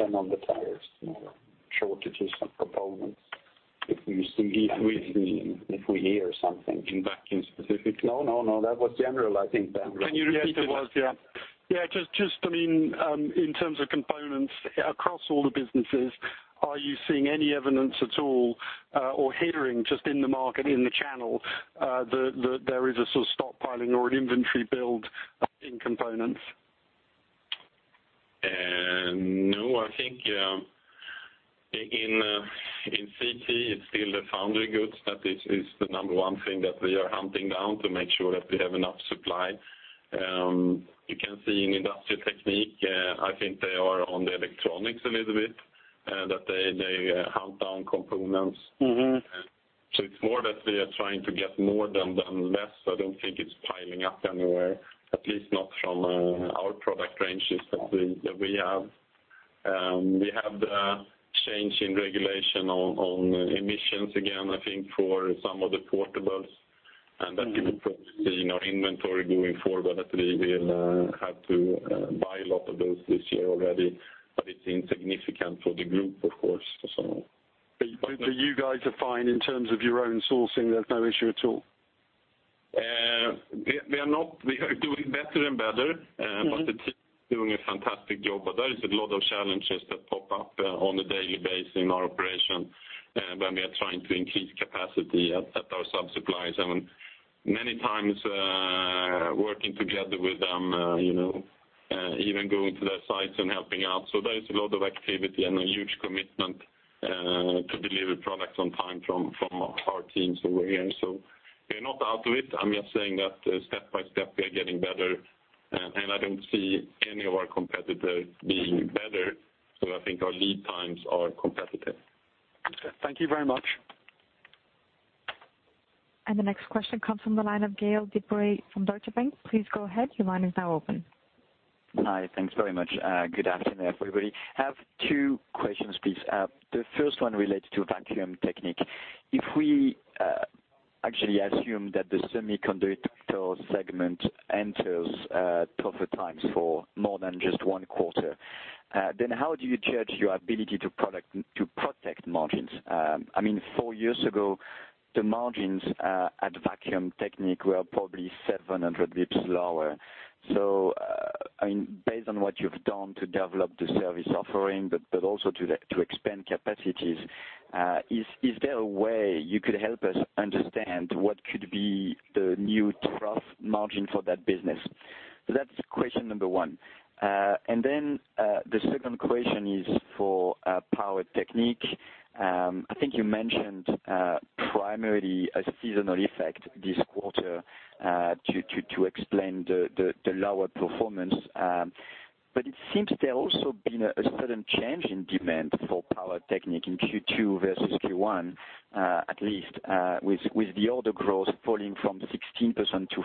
On the tariffs, shortages of components. If we see anything. If we. If we hear something. In Vacuum specific? No, that was general, I think, Ben. Can you repeat it, Mats? Yeah. Just in terms of components across all the businesses, are you seeing any evidence at all or hearing just in the market, in the channel, that there is a sort of stockpiling or an inventory build in components? No, I think in CT, it's still the foundry goods that is the number 1 thing that we are hunting down to make sure that we have enough supply. You can see in Industrial Technique, I think they are on the electronics a little bit, that they hunt down components. It's more that we are trying to get more than less. I don't think it's piling up anywhere, at least not from our product ranges that we have. We have the change in regulation on emissions again, I think for some of the portables That will put strain on inventory going forward, but we have had to buy a lot of those this year already. It's insignificant for the group, of course, so. You guys are fine in terms of your own sourcing, there's no issue at all? We are doing better and better, but the team is doing a fantastic job. There is a lot of challenges that pop up on a daily basis in our operation, when we are trying to increase capacity at our sub-suppliers and many times, working together with them, even going to their sites and helping out. There is a lot of activity and a huge commitment to deliver products on time from our teams over here we are not out of it. I'm just saying that step by step we are getting better, and I don't see any of our competitor being better. I think our lead times are competitive. Okay. Thank you very much. The next question comes from the line of Gael de Bray from Deutsche Bank. Please go ahead. Your line is now open. Hi. Thanks very much. Good afternoon, everybody. I have two questions, please. The first one relates to Vacuum Technique. If we actually assume that the semiconductor segment enters tougher times for more than just one quarter, how do you judge your ability to protect margins? Four years ago, the margins at Vacuum Technique were probably 700 bps lower. Based on what you've done to develop the service offering, but also to expand capacities, is there a way you could help us understand what could be the new trough margin for that business? That's question number one. The second question is for Power Technique. I think you mentioned primarily a seasonal effect this quarter, to explain the lower performance. It seems there has also been a sudden change in demand for Power Technique in Q2 versus Q1, at least, with the order growth falling from 16% to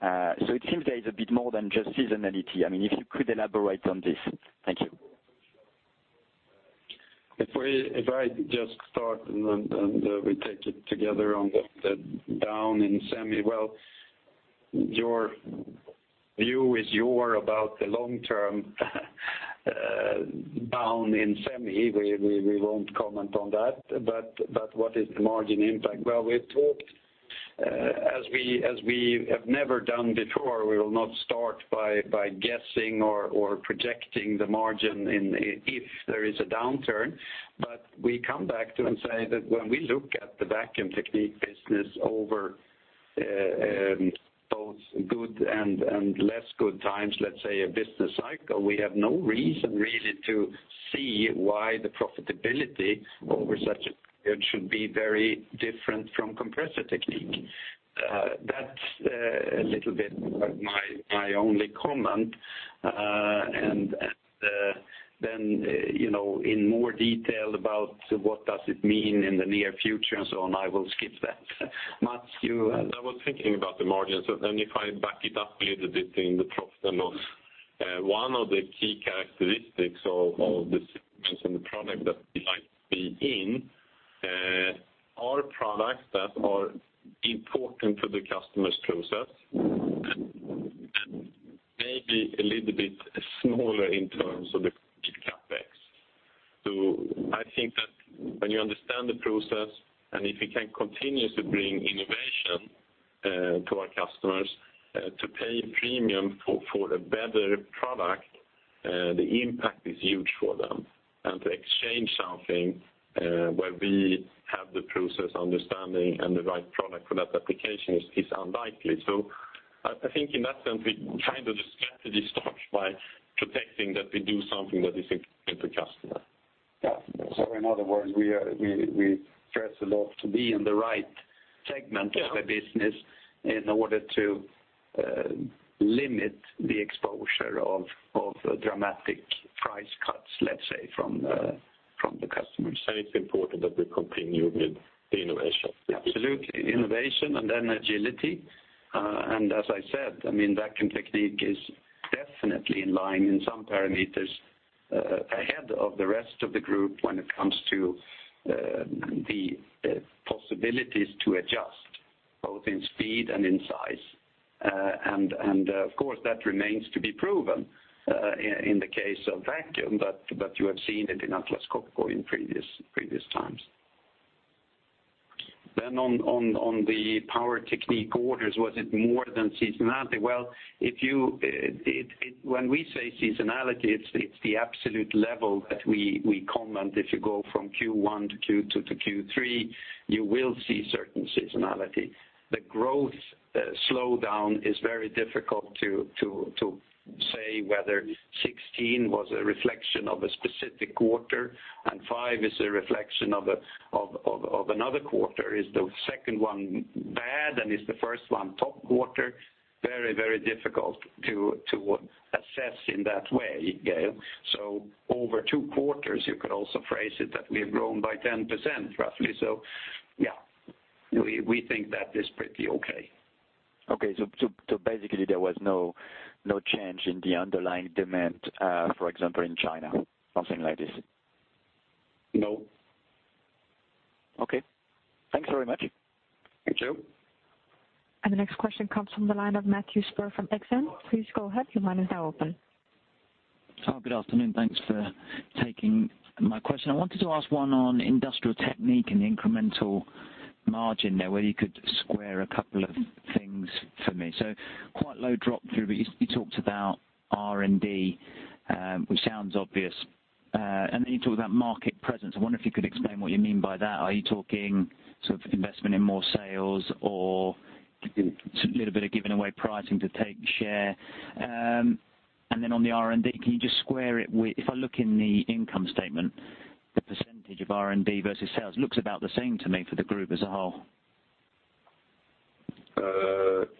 5%. It seems there is a bit more than just seasonality. If you could elaborate on this. Thank you. We take it together on the down in semi. You're about the long term down in semi. We won't comment on that. What is the margin impact? We've talked, as we have never done before, we will not start by guessing or projecting the margin if there is a downturn, but we come back to and say that when we look at the Vacuum Technique business over both good and less good times, let's say a business cycle, we have no reason really to see why the profitability over such a period should be very different from Compressor Technique. That's a little bit my only comment. In more detail about what does it mean in the near future and so on, I will skip that. Mats, you? I was thinking about the margins. If I back it up a little bit in the profit and loss, one of the key characteristics of the segments and the product that we like to be in, are products that are important to the customer's process, and maybe a little bit smaller in terms of the peak CapEx. When you understand the process, if we can continue to bring innovation to our customers, to pay a premium for the better product, the impact is huge for them. To exchange something, where we have the process understanding and the right product for that application is unlikely. We kind of the strategy starts by protecting that we do something that is important to customers. In other words, we stress a lot to be in the right segment of the business in order to limit the exposure of dramatic price cuts, let's say, from the customers. It's important that we continue with the innovation. Absolutely. Innovation, then agility. As I said, Vacuum Technique is definitely in line, in some parameters, ahead of the rest of the group when it comes to the possibilities to adjust, both in speed and in size. Of course, that remains to be proven, in the case of Vacuum, but you have seen it in Atlas Copco in previous times. On the Power Technique orders, was it more than seasonality? When we say seasonality, it's the absolute level that we comment. If you go from Q1 to Q2 to Q3, you will see certain seasonality. The growth slowdown is very difficult to say whether 16 was a reflection of a specific quarter, and five is a reflection of another quarter. Is the second one bad, and is the first one top quarter? Very, very difficult to assess in that way, Gael. Over two quarters, you could also phrase it that we have grown by 10%, roughly. Yeah, we think that is pretty okay. Basically, there was no change in the underlying demand, for example, in China, something like this? No. Thanks very much. Thank you. The next question comes from the line of Matthew Spur from Exane. Please go ahead. Your line is now open. Good afternoon. Thanks for taking my question. I wanted to ask one on Industrial Technique and incremental margin there, whether you could square a couple of things for me. Quite low drop through, but you talked about R&D, which sounds obvious. Then you talked about market presence. I wonder if you could explain what you mean by that. Are you talking investment in more sales or a little bit of giving away pricing to take share? Then on the R&D, can you just square it with, if I look in the income statement, the percentage of R&D versus sales looks about the same to me for the group as a whole.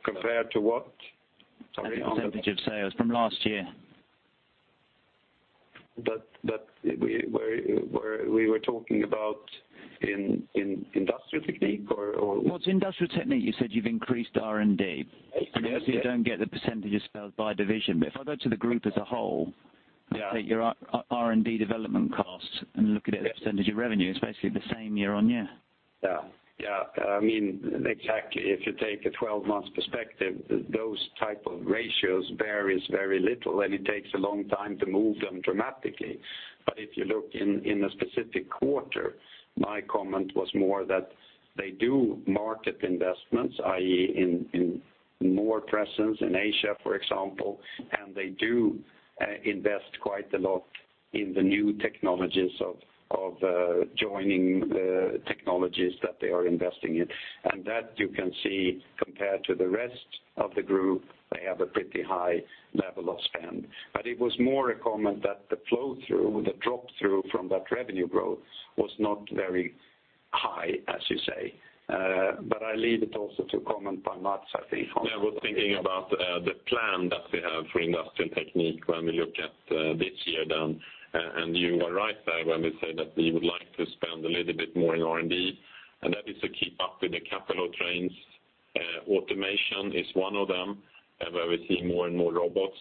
Compared to what? Sorry. The percentage of sales from last year. We were talking about in Industrial Technique. It's Industrial Technique, you said you've increased R&D. Obviously, you don't get the percentages by division, but if I go to the group as a whole. Yeah take your R&D development costs and look at it as a % of revenue, it's basically the same year-over-year. Yeah. Exactly. If you take a 12 months perspective, those type of ratios varies very little, and it takes a long time to move them dramatically. If you look in a specific quarter, my comment was more that they do market investments, i.e., in more presence in Asia, for example, and they do invest quite a lot in the new technologies of joining the technologies that they are investing in. That you can see compared to the rest of the group, they have a pretty high level of spend. It was more a comment that the flow through, the drop through from that revenue growth was not very high, as you say. I leave it also to comment by Mats, I think. Yeah, I was thinking about the plan that we have for Industrial Technique when we look at this year then, you are right there when we say that we would like to spend a little bit more in R&D, and that is to keep up with the capital trends. Automation is one of them, and where we see more and more robots,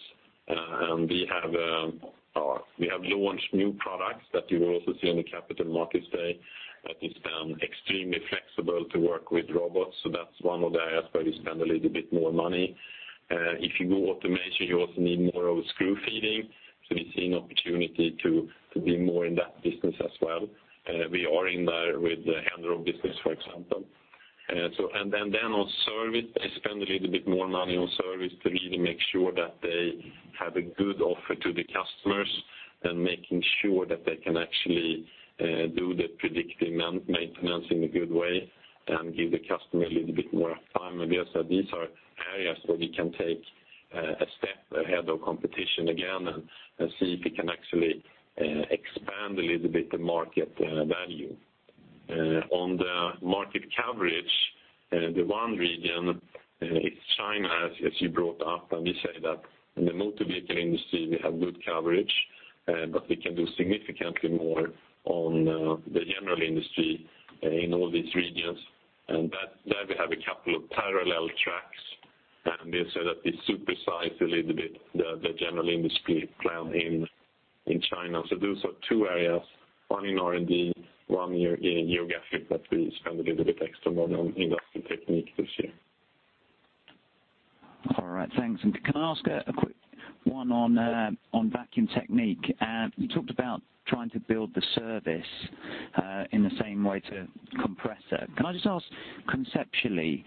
and we have launched new products that you will also see on the Capital Markets Day that is extremely flexible to work with robots. That's one of the areas where we spend a little bit more money. If you do automation, you also need more of screw feeding. We see an opportunity to be more in that business as well. We are in there with the hand drill business, for example. Then on service, they spend a little bit more money on service to really make sure that they have a good offer to the Customers and making sure that they can actually do the predictive maintenance in a good way and give the customer a little bit more uptime, and yes, these are areas where we can take a step ahead of competition again and see if we can actually expand a little bit the market value. On the market coverage, the one region is China, as you brought up, we say that in the motor vehicle industry, we have good coverage, but we can do significantly more on the general industry in all these regions. There we have a couple of parallel tracks, and they say that they supersize a little bit the general industry plan in China. Those are two areas, one in R&D, one geographic, that we spend a little bit extra money on Industrial Technique this year. All right. Thanks. Can I ask a quick one on Vacuum Technique? You talked about trying to build the service in the same way to Compressor. Can I just ask, conceptually,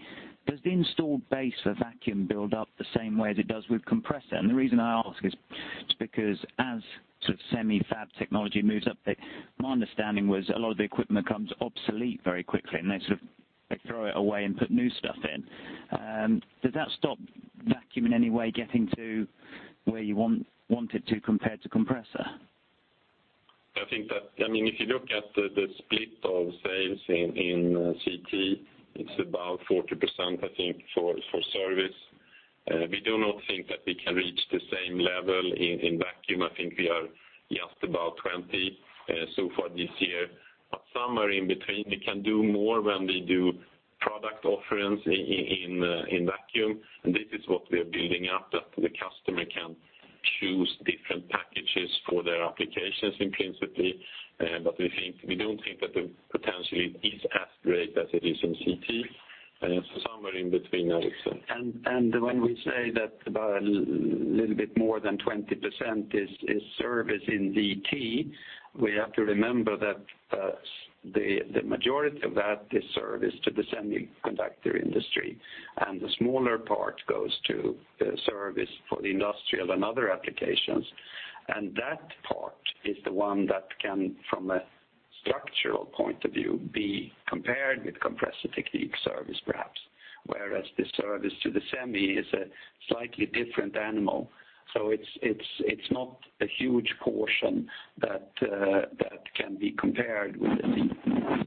does the installed base for Vacuum build up the same way as it does with Compressor? The reason I ask is because as semi-fab technology moves up, my understanding was a lot of the equipment becomes obsolete very quickly, and they sort of throw it away and put new stuff in. Does that stop Vacuum in any way getting to where you want it to compared to Compressor? If you look at the split of sales in CT, it's about 40%, I think, for service. We do not think that we can reach the same level in Vacuum. I think we are just about 20% so far this year. Somewhere in between, we can do more when we do product offerings in Vacuum, and this is what we are building up, that the customer can choose different packages for their applications in principle. We don't think that the potential is as great as it is in CT. Somewhere in between, I would say. When we say that about a little bit more than 20% is service in VT, we have to remember that the majority of that is service to the semiconductor industry, and the smaller part goes to service for the industrial and other applications, and that part is the one that can, from a structural point of view, be compared with Compressor Technique service, perhaps, whereas the service to the semi is a slightly different animal. It's not a huge portion that can be compared with the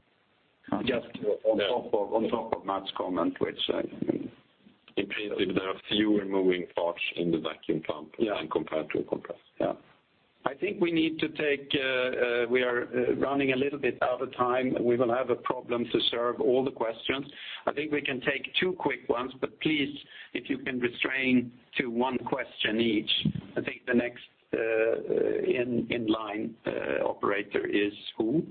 just on top of Mats' comment. In principle, there are fewer moving parts in the vacuum pump. Yeah compared to a compressor. Yeah. I think we are running a little bit out of time. We will have a problem to serve all the questions. I think we can take two quick ones, but please, if you can restrain to one question each. I think the next in line operator is who?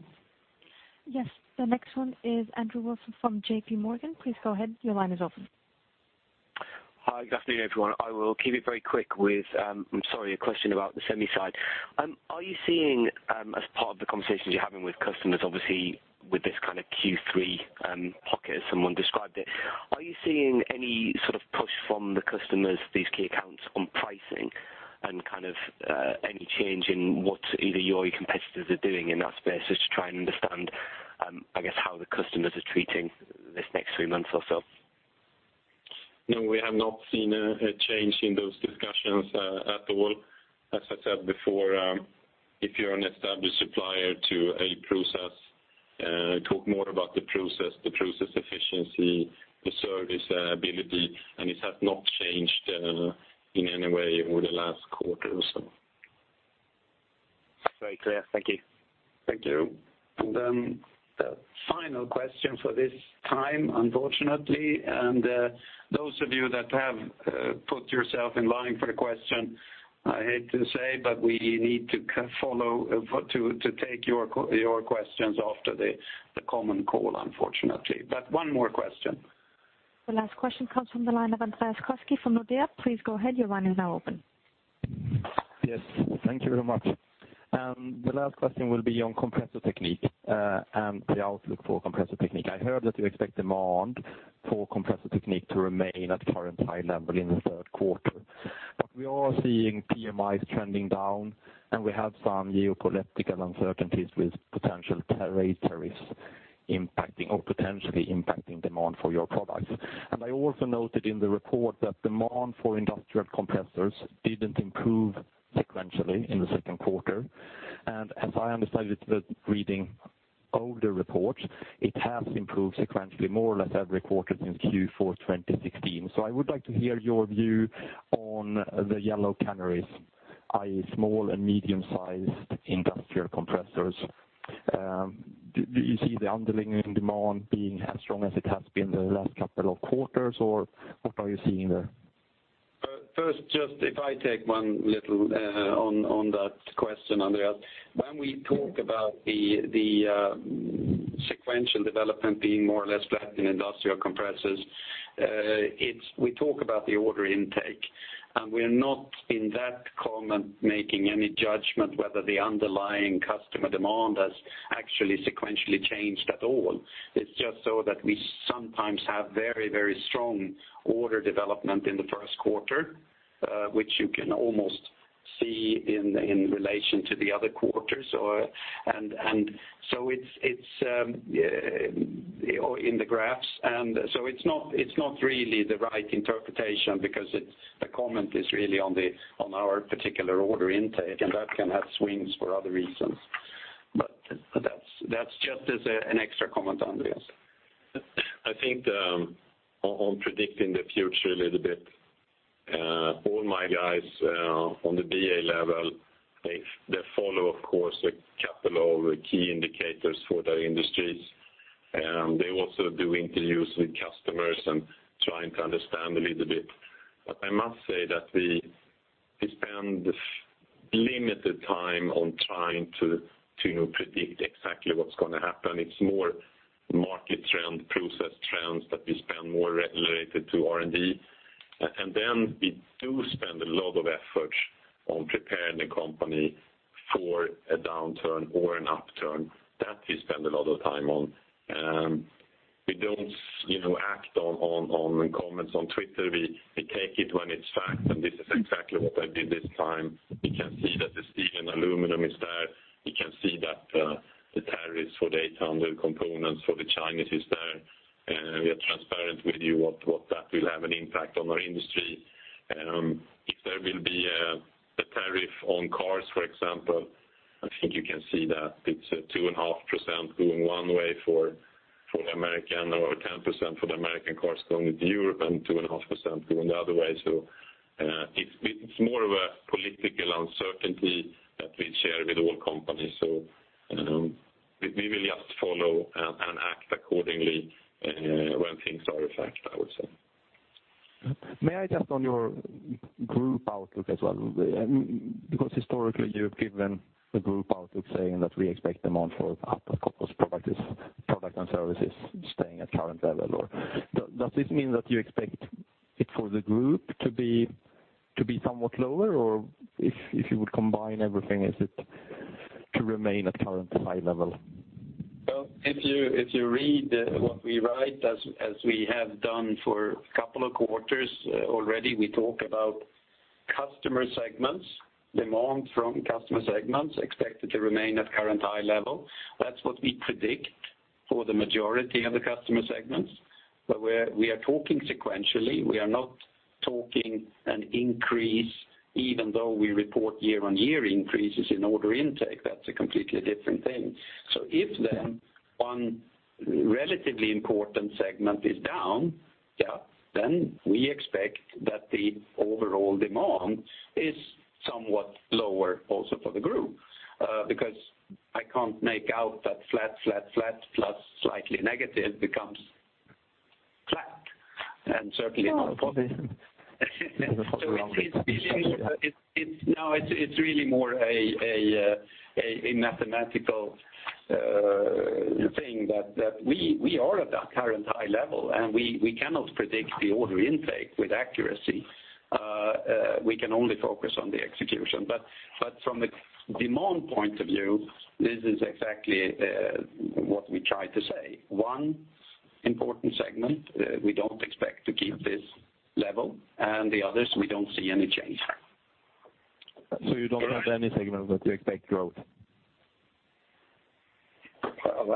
Yes. The next one is Andrew Wilson from J.P. Morgan. Please go ahead. Your line is open. Hi, good afternoon, everyone. I will keep it very quick with, I'm sorry, a question about the semi side. Are you seeing, as part of the conversations you're having with customers, obviously with this kind of Q3 pocket, as someone described it, are you seeing any sort of push from the customers, these key accounts, on pricing and any change in what either you or your competitors are doing in that space? Just to try and understand, I guess, how the customers are treating this next three months or so. No, we have not seen a change in those discussions at all. As I said before, if you are an established supplier to a process, talk more about the process, the process efficiency, the service ability. It has not changed in any way over the last quarter or so. Very clear. Thank you. Thank you. The final question for this time, unfortunately. Those of you that have put yourself in line for a question, I hate to say. We need to take your questions after the conference call, unfortunately. One more question. The last question comes from the line of Andreas Koski from Nordea. Please go ahead. Your line is now open. Yes. Thank you very much. The last question will be on Compressor Technique, and the outlook for Compressor Technique. I heard that you expect demand for Compressor Technique to remain at current high level in the third quarter. We are seeing PMIs trending down, and we have some geopolitical uncertainties with potential trade tariffs impacting or potentially impacting demand for your products. I also noted in the report that demand for industrial compressors didn't improve sequentially in the second quarter. As I understood it, reading older reports, it has improved sequentially more or less every quarter since Q4 2016. I would like to hear your view on the yellow canaries, i.e., small and medium-sized industrial compressors. Do you see the underlying demand being as strong as it has been the last couple of quarters, or what are you seeing there? First, just if I take one little on that question, Andreas. When we talk about the sequential development being more or less flat in industrial compressors, we talk about the order intake, and we're not in that comment making any judgment whether the underlying customer demand has actually sequentially changed at all. It's just so that we sometimes have very strong order development in the first quarter, which you can almost see in relation to the other quarters, or in the graphs. It's not really the right interpretation because the comment is really on our particular order intake, and that can have swings for other reasons. That's just as an extra comment, Andreas. I think, on predicting the future a little bit, all my guys on the BA level, they follow, of course, a couple of key indicators for their industries, and they also do interviews with customers and trying to understand a little bit. I must say that we spend limited time on trying to predict exactly what's going to happen. It's more market trend, process trends that we spend more related to R&D. We do spend a lot of effort on preparing the company for a downturn or an upturn. That we spend a lot of time on. We don't act on comments on Twitter. We take it when it's fact, and this is exactly what I did this time. We can see that the steel and aluminum is there. We can see that the tariffs for the 800 components for the Chinese is there. We are transparent with you what that will have an impact on our industry. If there will be a tariff on cars, for example, I think you can see that it's 2.5% going one way for the American or 10% for the American cars going to Europe, and 2.5% going the other way. It's more of a political uncertainty that we share with all companies. We will just follow and act accordingly when things are a fact, I would say. May I just, on your group outlook as well, because historically you've given the group outlook saying that we expect demand for Atlas Copco's product and services staying at current level, or does this mean that you expect it for the group to be somewhat lower? Or if you would combine everything, is it to remain at current high level? Well, if you read what we write as we have done for a couple of quarters already, we talk about customer segments, demand from customer segments expected to remain at current high level. That's what we predict for the majority of the customer segments. We are talking sequentially, we are not talking an increase, even though we report year-on-year increases in order intake. That's a completely different thing. If then one relatively important segment is down, yeah, then we expect that the overall demand is somewhat lower also for the group, because I can't make out that flat, flat plus slightly negative becomes flat, and certainly not positive. It's really more a mathematical thing that we are at that current high level, and we cannot predict the order intake with accuracy. We can only focus on the execution. From a demand point of view, this is exactly what we try to say. One important segment, we don't expect to keep this level, and the others, we don't see any change. You don't have any segment that you expect growth?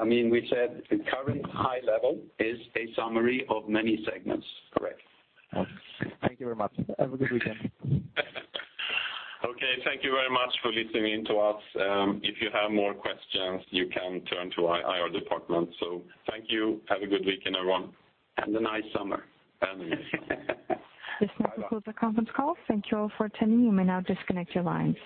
I mean, we said the current high level is a summary of many segments, correct. Thank you very much. Have a good weekend. Okay. Thank you very much for listening in to us. If you have more questions, you can turn to our IR department. Thank you. Have a good weekend, everyone. A nice summer. A nice summer. This now concludes the conference call. Thank you all for attending. You may now disconnect your lines.